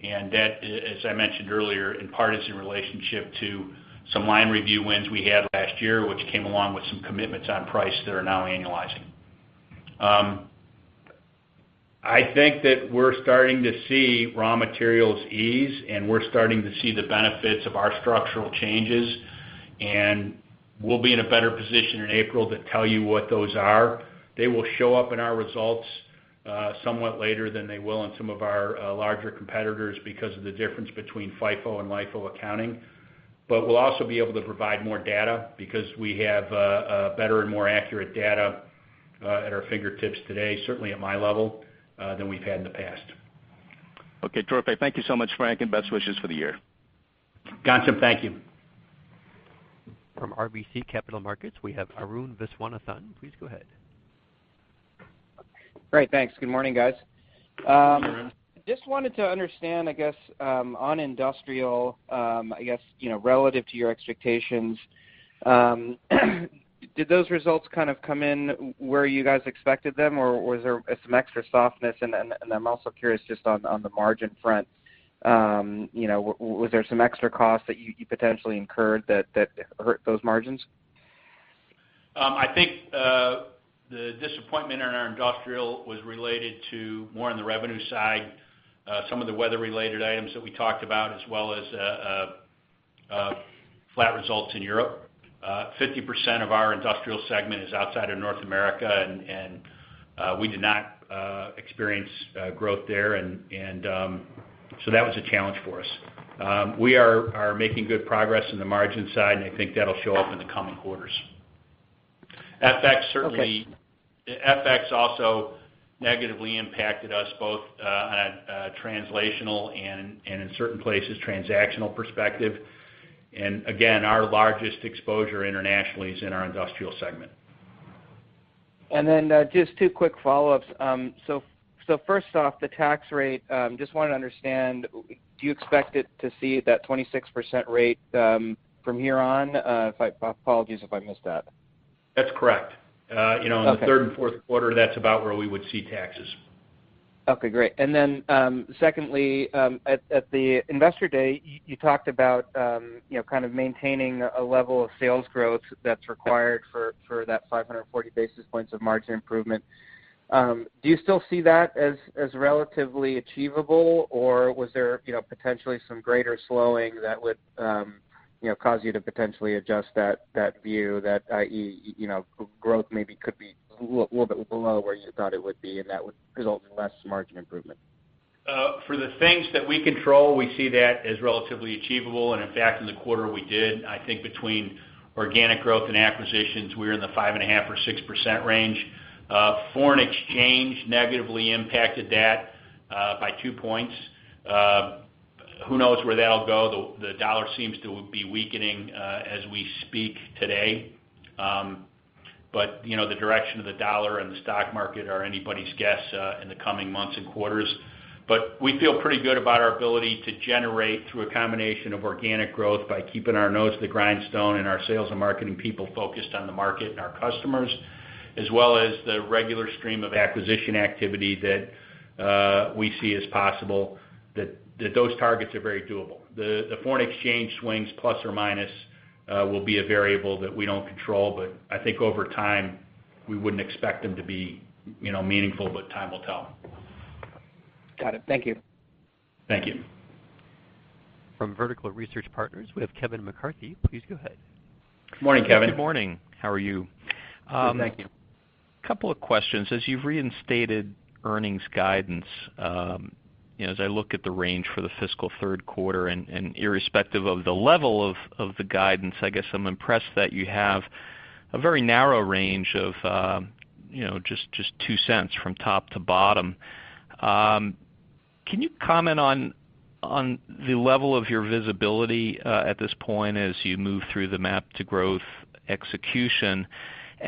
That, as I mentioned earlier, in part is in relationship to some line review wins we had last year, which came along with some commitments on price that are now annualizing. I think that we're starting to see raw materials ease, and we're starting to see the benefits of our structural changes, and we'll be in a better position in April to tell you what those are. They will show up in our results somewhat later than they will in some of our larger competitors because of the difference between FIFO and LIFO accounting. We'll also be able to provide more data because we have better and more accurate data at our fingertips today, certainly at my level, than we've had in the past. Okay, terrific. Thank you so much, Frank, and best wishes for the year. Ghansham, thank you. From RBC Capital Markets, we have Arun Viswanathan. Please go ahead. Great. Thanks. Good morning, guys. Good morning. Just wanted to understand, I guess, on Industrial, I guess, relative to your expectations, did those results kind of come in where you guys expected them, or was there some extra softness? I'm also curious just on the margin front, was there some extra cost that you potentially incurred that hurt those margins? I think the disappointment in our Industrial was related to more on the revenue side, some of the weather-related items that we talked about, as well as flat results in Europe. 50% of our Industrial segment is outside of North America, we did not experience growth there, so that was a challenge for us. We are making good progress in the margin side, I think that'll show up in the coming quarters. FX also negatively impacted us both on a translational and, in certain places, transactional perspective. Again, our largest exposure internationally is in our Industrial segment. Just two quick follow-ups. First off, the tax rate, just wanted to understand, do you expect it to see that 26% rate from here on? Apologies if I missed that. That's correct. Okay. In the third and fourth quarter, that's about where we would see taxes. Okay, great. Secondly, at the Investor Day, you talked about kind of maintaining a level of sales growth that's required for that 540 basis points of margin improvement. Do you still see that as relatively achievable, or was there potentially some greater slowing that would cause you to potentially adjust that view that, i.e., growth maybe could be a little bit below where you thought it would be, and that would result in less margin improvement? For the things that we control, we see that as relatively achievable. In fact, in the quarter we did. I think between organic growth and acquisitions, we were in the 5.5% or 6% range. Foreign exchange negatively impacted that by 2 points. Who knows where that'll go? The dollar seems to be weakening as we speak today. The direction of the dollar and the stock market are anybody's guess in the coming months and quarters. We feel pretty good about our ability to generate, through a combination of organic growth by keeping our nose to the grindstone and our sales and marketing people focused on the market and our customers, as well as the regular stream of acquisition activity that we see as possible, that those targets are very doable. The foreign exchange swings, plus or minus, will be a variable that we don't control, but I think over time, we wouldn't expect them to be meaningful, but time will tell. Got it. Thank you. Thank you. From Vertical Research Partners, we have Kevin McCarthy. Please go ahead. Morning, Kevin. Good morning. How are you? Good, thank you. A couple of questions. As you've reinstated earnings guidance, as I look at the range for the fiscal third quarter, and irrespective of the level of the guidance, I guess I'm impressed that you have a very narrow range of just $0.02 from top to bottom. Can you comment on the level of your visibility at this point as you move through the MAP to Growth execution?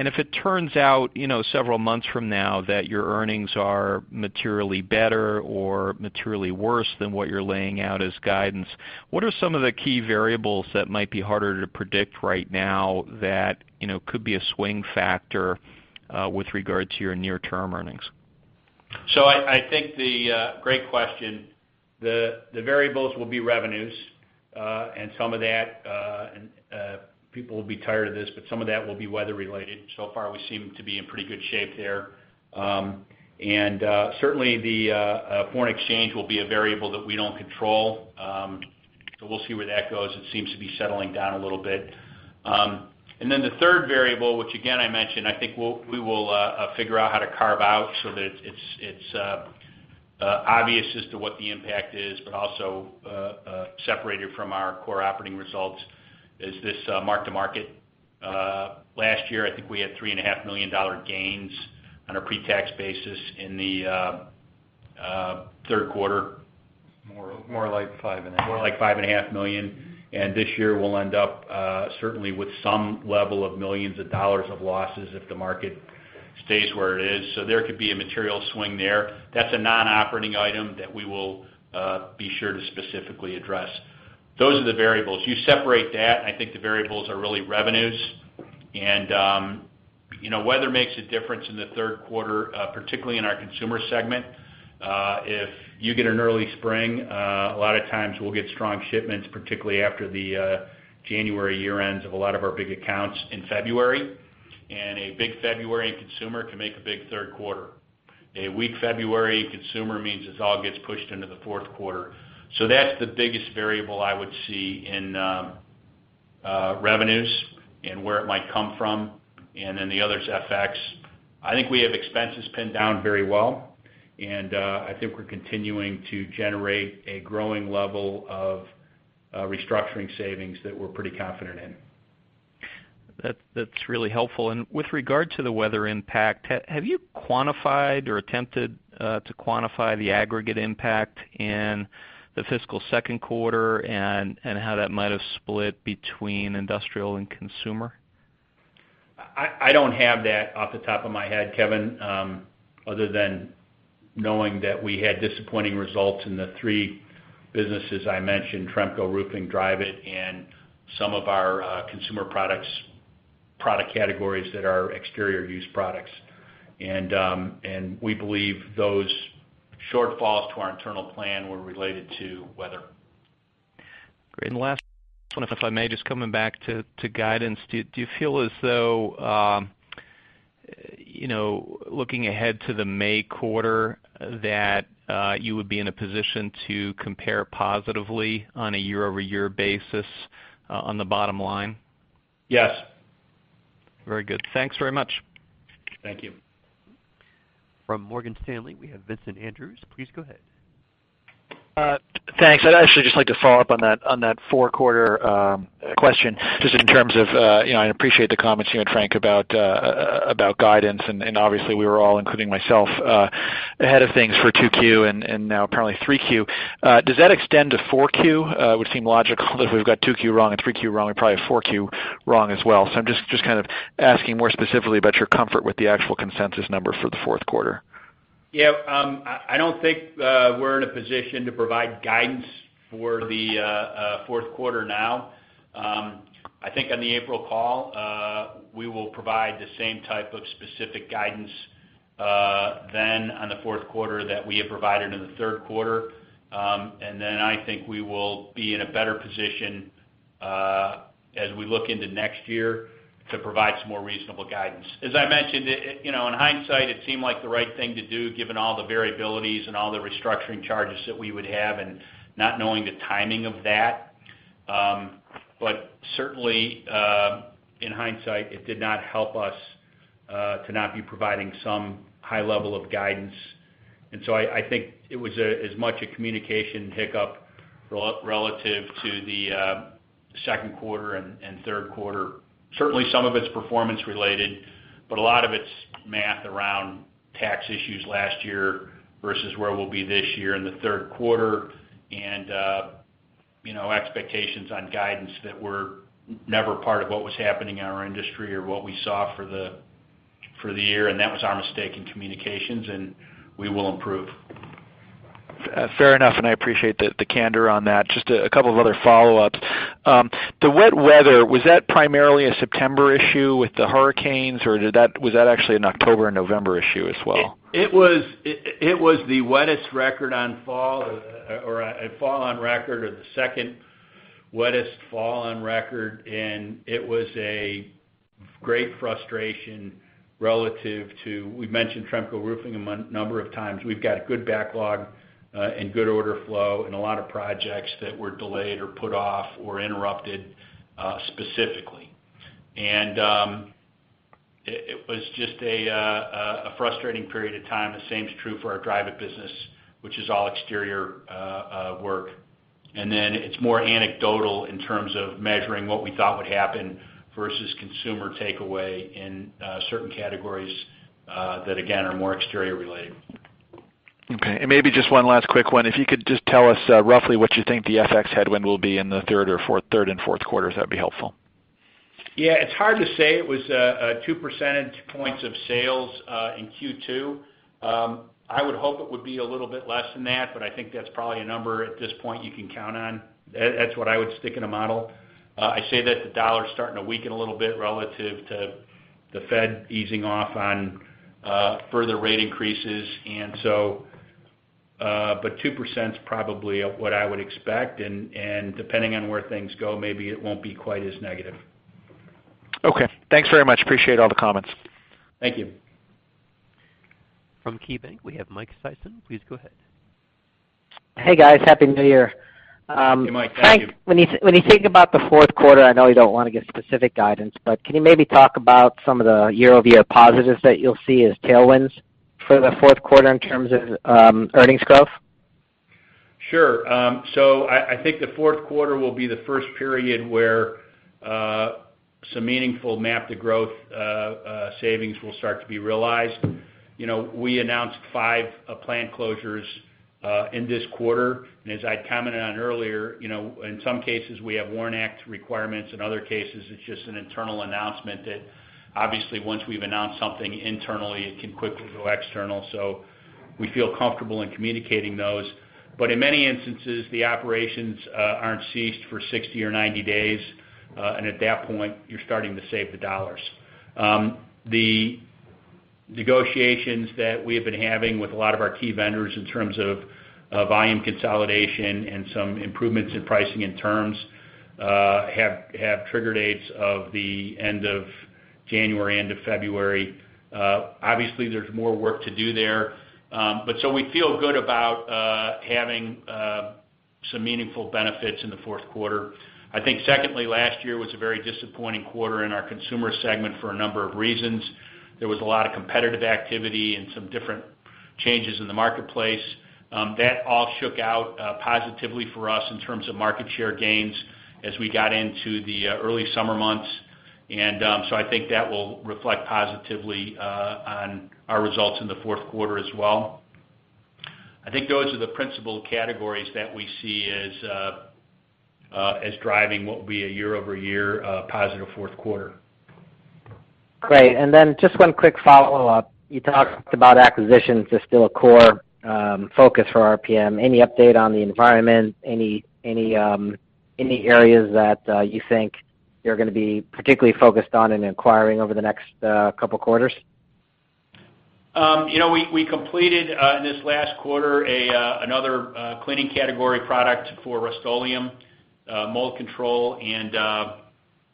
If it turns out several months from now that your earnings are materially better or materially worse than what you're laying out as guidance, what are some of the key variables that might be harder to predict right now that could be a swing factor with regard to your near-term earnings? I think the great question. The variables will be revenues. Some of that, and people will be tired of this, but some of that will be weather-related. So far, we seem to be in pretty good shape there. Certainly, the foreign exchange will be a variable that we don't control. We'll see where that goes. It seems to be settling down a little bit. The third variable, which again, I mentioned, I think we will figure out how to carve out so that it's obvious as to what the impact is, but also separated from our core operating results is this mark-to-market. Last year, I think we had $3.5 million gains on a pre-tax basis in the third quarter. More like $5.5 million. More like $5.5 million. This year, we'll end up certainly with some level of millions of dollars of losses if the market stays where it is. There could be a material swing there. That's a non-operating item that we will be sure to specifically address. Those are the variables. You separate that, and I think the variables are really revenues. Weather makes a difference in the third quarter, particularly in our consumer segment. If you get an early spring, a lot of times we'll get strong shipments, particularly after the January year-ends of a lot of our big accounts in February. A big February in consumer can make a big third quarter. A weak February in consumer means this all gets pushed into the fourth quarter. That's the biggest variable I would see in revenues and where it might come from. The other is FX. I think we have expenses pinned down very well, and I think we're continuing to generate a growing level of restructuring savings that we're pretty confident in. That's really helpful. With regard to the weather impact, have you quantified or attempted to quantify the aggregate impact in the fiscal second quarter and how that might have split between industrial and consumer? I don't have that off the top of my head, Kevin, other than knowing that we had disappointing results in the three businesses I mentioned, Tremco Roofing, Dryvit, and some of our consumer product categories that are exterior-use products. We believe those shortfalls to our internal plan were related to weather. Great. Last one, if I may, just coming back to guidance. Do you feel as though, looking ahead to the May quarter, that you would be in a position to compare positively on a year-over-year basis on the bottom line? Yes. Very good. Thanks very much. Thank you. From Morgan Stanley, we have Vincent Andrews. Please go ahead. Thanks. I'd actually just like to follow up on that fourth quarter question, just in terms of. I appreciate the comments you had, Frank, about guidance. Obviously, we were all, including myself, ahead of things for 2Q and now apparently 3Q. Does that extend to 4Q? It would seem logical that if we've got 2Q wrong and 3Q wrong, we probably have 4Q wrong as well. I'm just kind of asking more specifically about your comfort with the actual consensus number for the fourth quarter. Yeah. I don't think we're in a position to provide guidance for the fourth quarter now. I think on the April call, we will provide the same type of specific guidance then on the fourth quarter that we have provided in the third quarter. I think we will be in a better position as we look into next year to provide some more reasonable guidance. As I mentioned, in hindsight, it seemed like the right thing to do given all the variabilities and all the restructuring charges that we would have and not knowing the timing of that. Certainly, in hindsight, it did not help us to not be providing some high level of guidance. I think it was as much a communication hiccup relative to the second quarter and third quarter. Certainly, some of it is performance related, but a lot of it's math around tax issues last year versus where we'll be this year in the third quarter, and expectations on guidance that were never part of what was happening in our industry or what we saw for the year. That was our mistake in communications, and we will improve. Fair enough, I appreciate the candor on that. Just a couple of other follow-ups. The wet weather, was that primarily a September issue with the hurricanes, or was that actually an October and November issue as well? It was the wettest fall on record or the second wettest fall on record, it was a great frustration relative to, we've mentioned Tremco Roofing a number of times. We've got good backlog and good order flow and a lot of projects that were delayed or put off or interrupted, specifically. It was just a frustrating period of time. The same is true for our Dryvit business, which is all exterior work. It's more anecdotal in terms of measuring what we thought would happen versus consumer takeaway in certain categories that, again, are more exterior related. Okay, and maybe just one last quick one. If you could just tell us roughly what you think the FX headwind will be in the third and fourth quarter, that'd be helpful. It's hard to say. It was 2 percentage points of sales in Q2. I would hope it would be a little bit less than that, but I think that's probably a number at this point you can count on. That's what I would stick in a model. I say that the dollar's starting to weaken a little bit relative to the Fed easing off on further rate increases. 2% is probably what I would expect, and depending on where things go, maybe it won't be quite as negative. Okay. Thanks very much. Appreciate all the comments. Thank you. From KeyBank, we have Mike Sison. Please go ahead. Hey, guys. Happy New Year. Hey, Mike. Thank you. Frank, when you think about the fourth quarter, I know you don't want to give specific guidance, but can you maybe talk about some of the year-over-year positives that you'll see as tailwinds for the fourth quarter in terms of earnings growth? Sure. I think the fourth quarter will be the first period where some meaningful MAP to Growth savings will start to be realized. We announced five planned closures in this quarter. As I commented on earlier, in some cases, we have WARN Act requirements. In other cases, it's just an internal announcement that, obviously once we've announced something internally, it can quickly go external. We feel comfortable in communicating those. In many instances, the operations aren't ceased for 60 or 90 days. At that point, you're starting to save the dollars. The negotiations that we have been having with a lot of our key vendors in terms of volume consolidation and some improvements in pricing and terms, have trigger dates of the end of January, end of February. Obviously, there's more work to do there. We feel good about having some meaningful benefits in the fourth quarter. I think secondly, last year was a very disappointing quarter in our consumer segment for a number of reasons. There was a lot of competitive activity and some different changes in the marketplace. That all shook out positively for us in terms of market share gains as we got into the early summer months. I think that will reflect positively on our results in the fourth quarter as well. I think those are the principal categories that we see as driving what will be a year-over-year positive fourth quarter. Great. Just one quick follow-up. You talked about acquisitions as still a core focus for RPM. Any update on the environment? Any areas that you think you're going to be particularly focused on in acquiring over the next couple of quarters? We completed, in this last quarter, another cleaning category product for Rust-Oleum, Mold Control,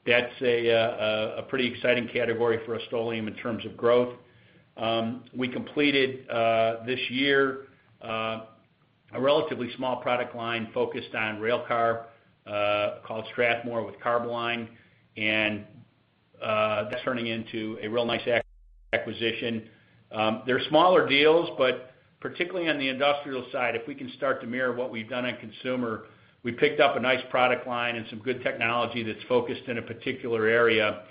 that's a pretty exciting category for Rust-Oleum in terms of growth. We completed, this year, a relatively small product line focused on railcar, called Strathmore with Carboline, that's turning into a real nice acquisition. They're smaller deals, particularly on the industrial side, if we can start to mirror what we've done on consumer, we picked up a nice product line and some good technology that's focused in a particular area,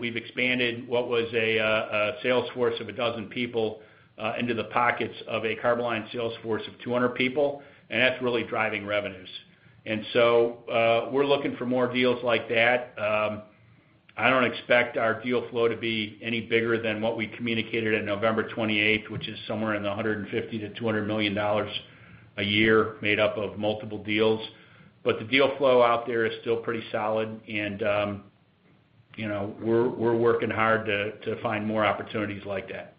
we've expanded what was a sales force of a dozen people into the pockets of a Carboline sales force of 200 people, that's really driving revenues. We're looking for more deals like that. I don't expect our deal flow to be any bigger than what we communicated at November 28th, which is somewhere in the $150 million-$200 million a year made up of multiple deals. The deal flow out there is still pretty solid and we're working hard to find more opportunities like that.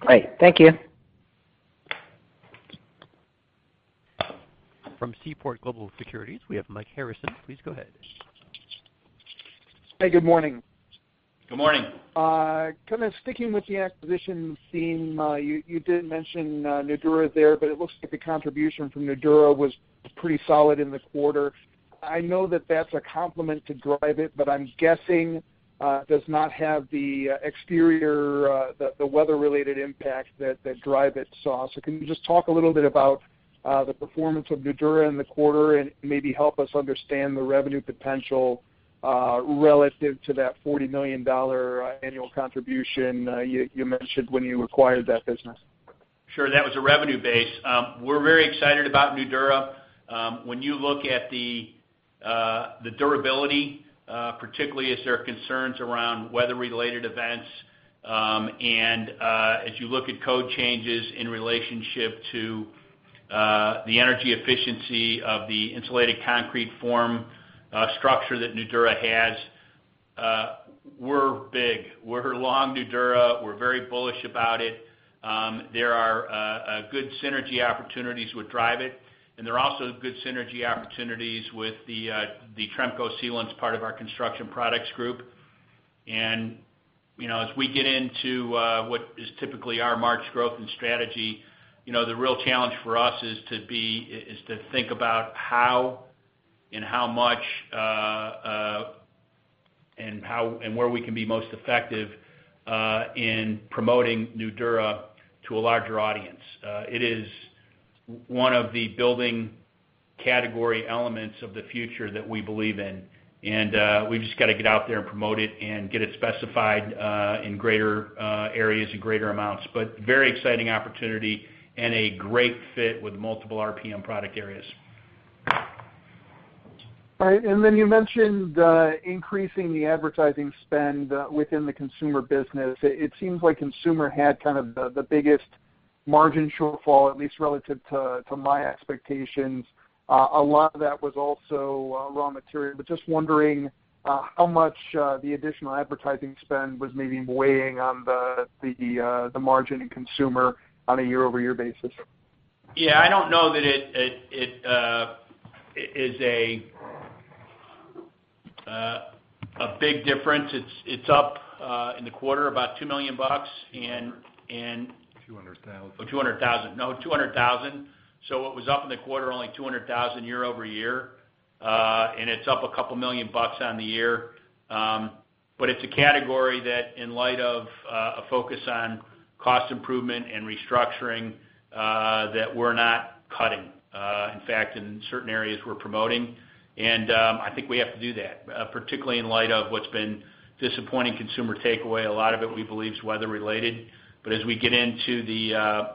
Great. Thank you. From Seaport Global Securities, we have Mike Harrison. Please go ahead. Hey, good morning. Good morning. Kind of sticking with the acquisition theme, you did mention Nudura there, but it looks like the contribution from Nudura was pretty solid in the quarter. I know that that's a complement to Dryvit, but I'm guessing does not have the exterior, the weather related impact that Dryvit saw. Can you just talk a little bit about the performance of Nudura in the quarter, and maybe help us understand the revenue potential relative to that $40 million annual contribution you mentioned when you acquired that business. Sure. That was a revenue base. We're very excited about Nudura. When you look at the durability, particularly as there are concerns around weather-related events, as you look at code changes in relationship to the energy efficiency of the insulated concrete form structure that Nudura has, we're big. We're long Nudura, we're very bullish about it. There are good synergy opportunities with Dryvit, and there are also good synergy opportunities with the Tremco Sealants part of our construction products group. As we get into what is typically our March growth and strategy, the real challenge for us is to think about how, and how much, and where we can be most effective in promoting Nudura to a larger audience. It is one of the building category elements of the future that we believe in. We've just got to get out there and promote it, and get it specified in greater areas and greater amounts. Very exciting opportunity, and a great fit with multiple RPM product areas. All right, then you mentioned increasing the advertising spend within the consumer business. It seems like consumer had kind of the biggest margin shortfall, at least relative to my expectations. A lot of that was also raw material, just wondering how much the additional advertising spend was maybe weighing on the margin in consumer on a year-over-year basis. Yeah, I don't know that it is a big difference. It's up in the quarter about $2 million. $200,000. Oh, $200,000. No, $200,000. It was up in the quarter only $200,000 year-over-year. It's up a couple million on the year. It's a category that in light of a focus on cost improvement and restructuring, that we're not cutting. In fact, in certain areas we're promoting. I think we have to do that. Particularly in light of what's been disappointing consumer takeaway. A lot of it we believe is weather related. As we get into the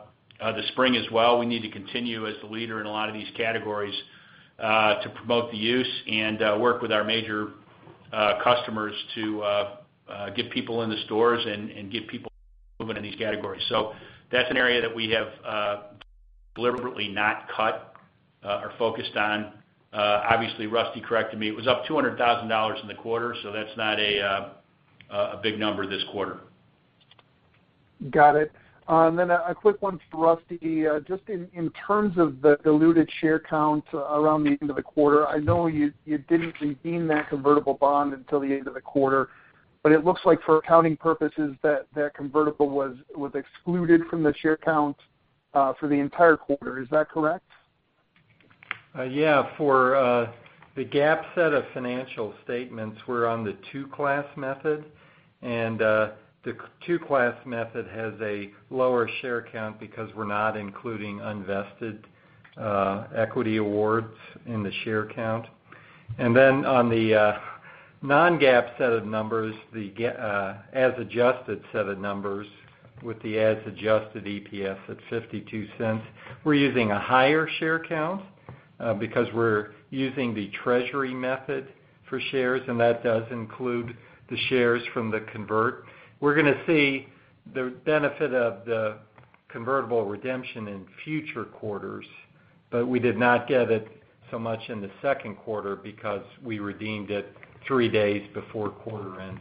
spring as well, we need to continue as the leader in a lot of these categories to promote the use and work with our major customers to get people in the stores and get people moving in these categories. That's an area that we have deliberately not cut or focused on. Obviously, Rusty corrected me. It was up $200,000 in the quarter, that's not a big number this quarter. Got it. A quick one for Rusty. Just in terms of the diluted share count around the end of the quarter, I know you didn't redeem that convertible bond until the end of the quarter, but it looks like for accounting purposes that that convertible was excluded from the share count for the entire quarter. Is that correct? Yeah. For the GAAP set of financial statements, we're on the two-class method. The two-class method has a lower share count because we're not including unvested equity awards in the share count. On the non-GAAP set of numbers, the as adjusted set of numbers with the as adjusted EPS at $0.52, we're using a higher share count because we're using the treasury method for shares, and that does include the shares from the convert. We're going to see the benefit of the convertible redemption in future quarters, but we did not get it so much in the second quarter because we redeemed it three days before quarter end.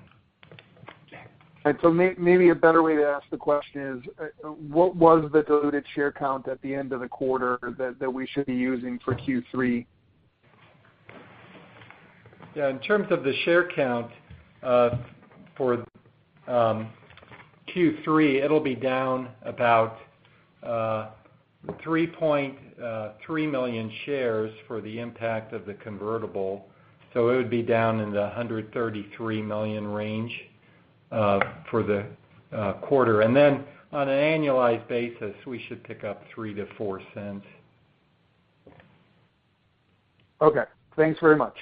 Maybe a better way to ask the question is, what was the diluted share count at the end of the quarter that we should be using for Q3? Yeah. In terms of the share count for Q3, it'll be down about 3.3 million shares for the impact of the convertible. It would be down in the 133 million range for the quarter. On an annualized basis, we should pick up $0.03-$0.04. Okay. Thanks very much.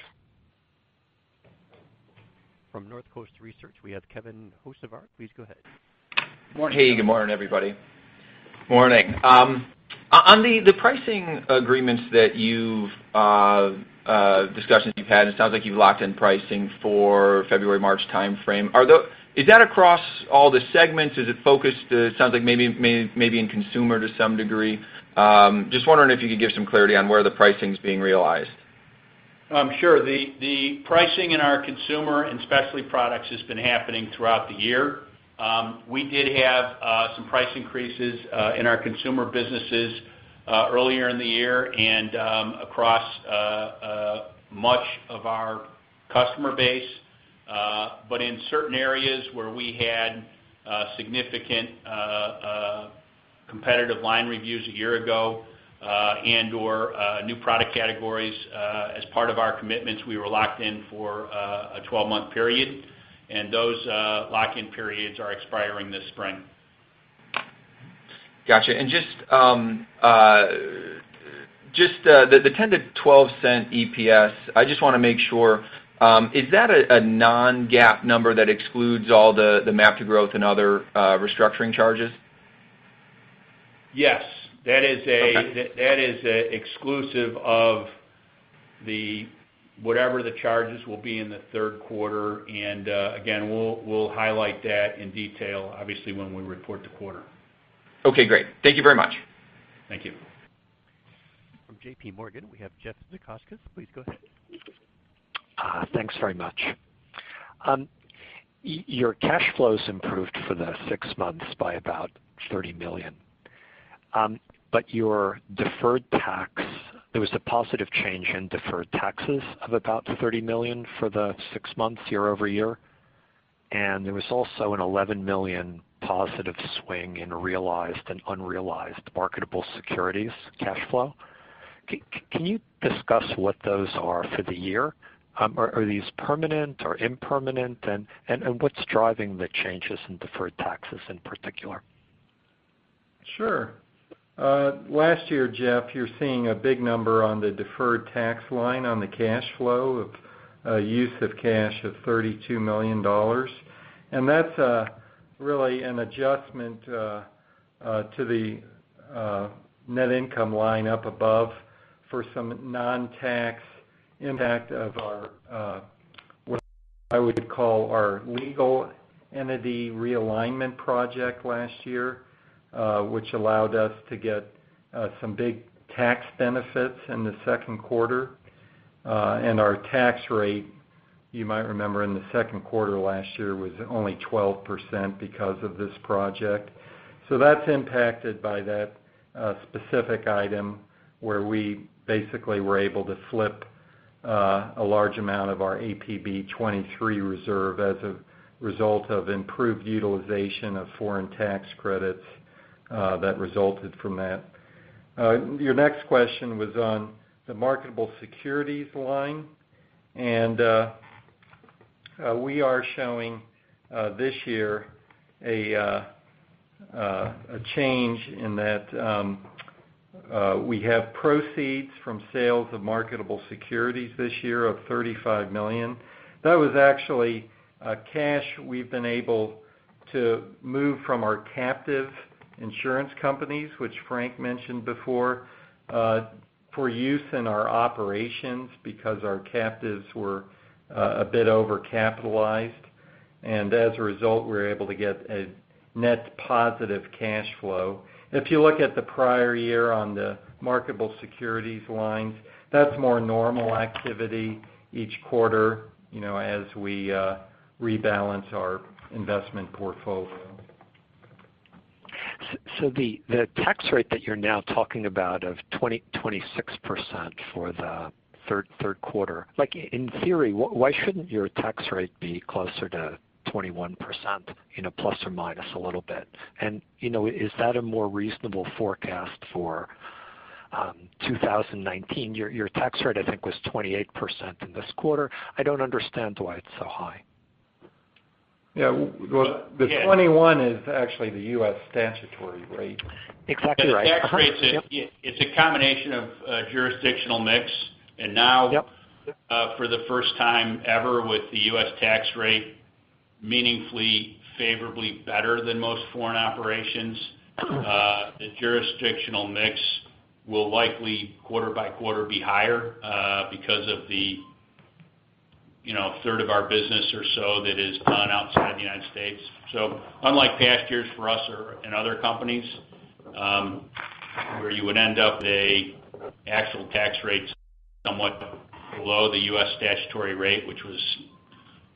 From Northcoast Research, we have Kevin Hocevar. Please go ahead. Hey, good morning, everybody. Morning. On the pricing agreements that discussions you've had, it sounds like you've locked in pricing for February, March timeframe. Is that across all the segments? Is it focused, it sounds like maybe in consumer to some degree. Just wondering if you could give some clarity on where the pricing's being realized. Sure. The pricing in our consumer and specialty products has been happening throughout the year. We did have some price increases in our consumer businesses earlier in the year and across much of our customer base. In certain areas where we had significant competitive line reviews a year ago, and/or new product categories as part of our commitments, we were locked in for a 12-month period. Those lock-in periods are expiring this spring. Got you. Just the $0.10-$0.12 EPS, I just want to make sure, is that a non-GAAP number that excludes all the MAP to Growth and other restructuring charges? Yes. Okay. That is exclusive of whatever the charges will be in the third quarter, and, again, we'll highlight that in detail, obviously, when we report the quarter. Okay, great. Thank you very much. Thank you. From JPMorgan, we have Jeff Zekauskas. Please go ahead. Thanks very much. Your cash flows improved for the six months by about $30 million. Your deferred tax, there was a positive change in deferred taxes of about $30 million for the six months year-over-year, there was also an $11 million positive swing in realized and unrealized marketable securities cash flow. Can you discuss what those are for the year? Are these permanent or impermanent? What's driving the changes in deferred taxes in particular? Sure. Last year, Jeff, you're seeing a big number on the deferred tax line on the cash flow of use of cash of $32 million. That's really an adjustment to the net income line up above for some non-tax impact of our, what I would call our legal entity realignment project last year, which allowed us to get some big tax benefits in the second quarter. Our tax rate, you might remember in the second quarter last year, was only 12% because of this project. That's impacted by that specific item where we basically were able to flip a large amount of our APB 23 reserve as a result of improved utilization of foreign tax credits that resulted from that. Your next question was on the marketable securities line. We are showing this year a change in that we have proceeds from sales of marketable securities this year of $35 million. That was actually cash we've been able to move from our captive insurance companies, which Frank mentioned before, for use in our operations because our captives were a bit over-capitalized. As a result, we were able to get a net positive cash flow. If you look at the prior year on the marketable securities lines, that's more normal activity each quarter, as we rebalance our investment portfolio. The tax rate that you're now talking about of 26% for the third quarter, in theory, why shouldn't your tax rate be closer to 21% ± a little bit? Is that a more reasonable forecast for 2019? Your tax rate, I think, was 28% in this quarter. I don't understand why it's so high. Yeah. Yeah The 21% is actually the U.S. statutory rate. Exactly right. The tax rate, it's a combination of a jurisdictional mix. Yep For the first time ever with the U.S. tax rate meaningfully favorably better than most foreign operations, the jurisdictional mix will likely quarter by quarter be higher, because of the third of our business or so that is done outside the United States. Unlike past years for us or in other companies, where you would end up at a actual tax rate somewhat below the U.S. statutory rate, which was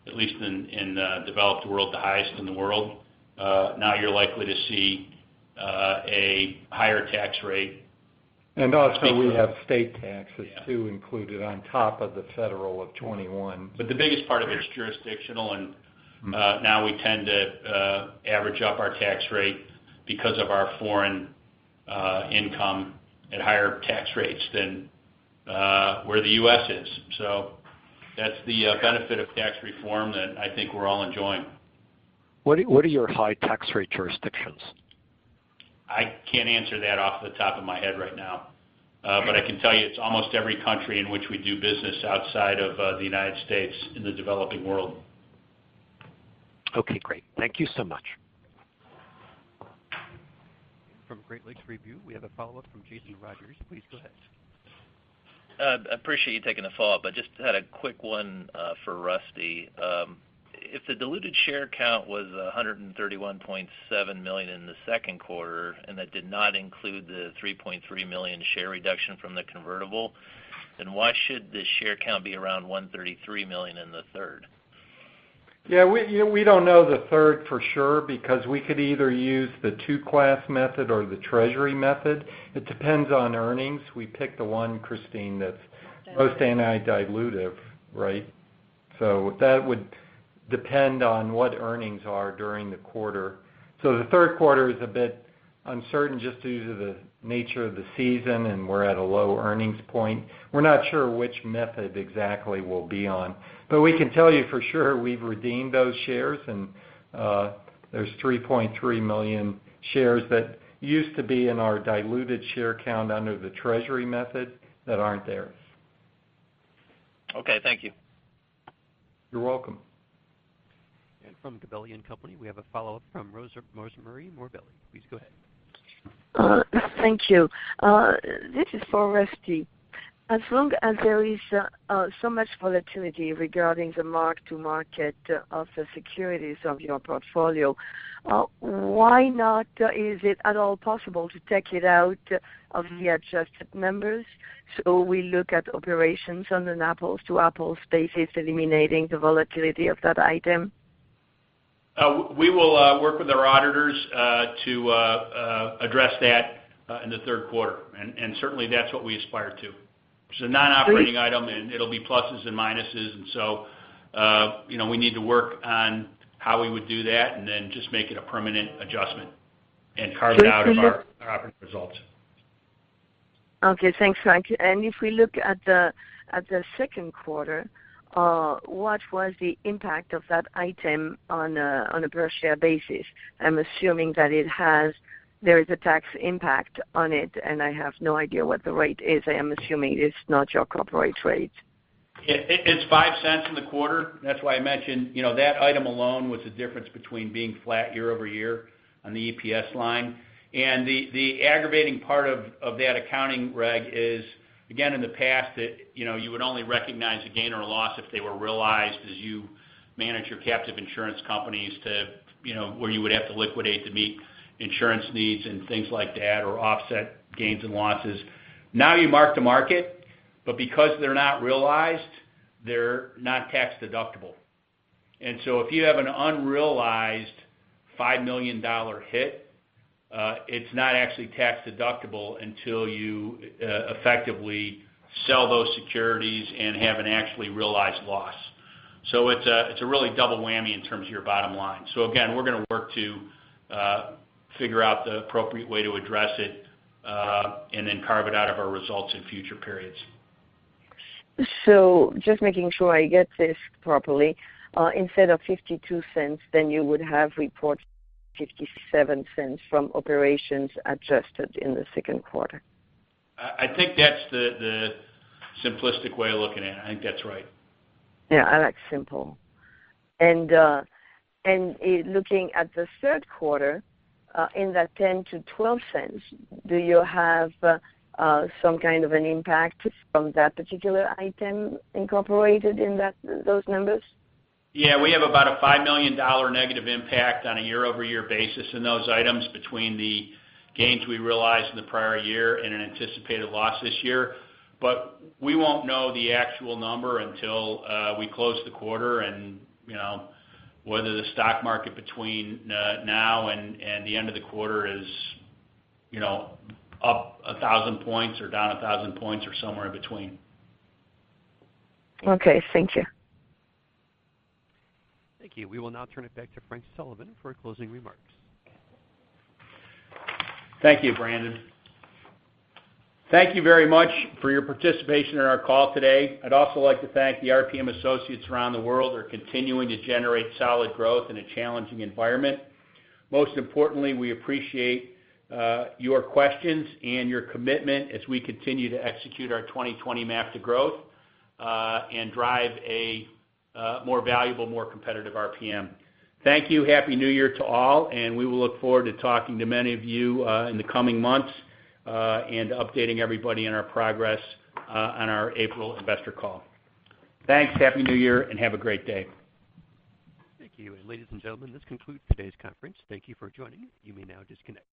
at least in the developed world, the highest in the world, now you're likely to see a higher tax rate. Also, we have state taxes too included on top of the federal of 21%. The biggest part of it is jurisdictional, and now we tend to average up our tax rate because of our foreign income at higher tax rates than where the U.S. is. That's the benefit of tax reform that I think we're all enjoying. What are your high tax rate jurisdictions? I can't answer that off the top of my head right now. I can tell you it's almost every country in which we do business outside of the U.S. in the developing world. Okay, great. Thank you so much. From Great Lakes Review, we have a follow-up from Jason Rogers. Please go ahead. I appreciate you taking the follow-up, but just had a quick one for Rusty. If the diluted share count was $131.7 million in the second quarter, and that did not include the 3.3 million share reduction from the convertible, then why should the share count be around 133 million in the third? Yeah. We don't know the third for sure because we could either use the two-class method or the treasury method. It depends on earnings. We pick the one, Kristine, that's most anti-dilutive. Right? That would depend on what earnings are during the quarter. The third quarter is a bit Uncertain just due to the nature of the season, and we're at a low earnings point. We're not sure which method exactly we'll be on, but we can tell you for sure we've redeemed those shares, and there's 3.3 million shares that used to be in our diluted share count under the treasury method that aren't there. Okay, thank you. You're welcome. From Gabelli & Company, we have a follow-up from Rosemarie Morbelli. Please go ahead. Thank you. This is for Rusty. As long as there is so much volatility regarding the mark-to-market of the securities of your portfolio, why not is it at all possible to take it out of the adjusted numbers so we look at operations on an apples-to-apples basis, eliminating the volatility of that item? We will work with our auditors to address that in the third quarter. Certainly, that's what we aspire to. It's a non-operating item, and it'll be pluses and minuses. We need to work on how we would do that and then just make it a permanent adjustment and carve it out of our operating results. Okay, thanks, Frank. If we look at the second quarter, what was the impact of that item on a per-share basis? I'm assuming that there is a tax impact on it, and I have no idea what the rate is. I am assuming it's not your corporate rate. It's $0.05 in the quarter. That's why I mentioned, that item alone was the difference between being flat year-over-year on the EPS line. The aggravating part of that accounting reg is, again, in the past, you would only recognize a gain or a loss if they were realized as you manage your captive insurance companies to where you would have to liquidate to meet insurance needs and things like that, or offset gains and losses. Now you mark the market, but because they're not realized, they're not tax-deductible. If you have an unrealized $5 million hit, it's not actually tax-deductible until you effectively sell those securities and have an actually realized loss. It's a really double whammy in terms of your bottom line. Again, we're going to work to figure out the appropriate way to address it, and then carve it out of our results in future periods. Just making sure I get this properly, instead of $0.52, then you would have reported $0.57 from operations adjusted in the second quarter. I think that's the simplistic way of looking at it. I think that's right. Yeah, I like simple. In looking at the third quarter, in that $0.10-$0.12, do you have some kind of an impact from that particular item incorporated in those numbers? Yeah. We have about a $5 million negative impact on a year-over-year basis in those items between the gains we realized in the prior year and an anticipated loss this year. We won't know the actual number until we close the quarter and whether the stock market between now and the end of the quarter is up 1,000 points or down 1,000 points or somewhere in between. Okay. Thank you. Thank you. We will now turn it back to Frank Sullivan for closing remarks. Thank you, Brandon. Thank you very much for your participation in our call today. I'd also like to thank the RPM associates around the world who are continuing to generate solid growth in a challenging environment. Most importantly, we appreciate your questions and your commitment as we continue to execute our 2020 MAP to Growth, and drive a more valuable, more competitive RPM. Thank you. Happy New Year to all, and we will look forward to talking to many of you in the coming months, and updating everybody on our progress on our April investor call. Thanks. Happy New Year, and have a great day. Thank you. Ladies and gentlemen, this concludes today's conference. Thank you for joining. You may now disconnect.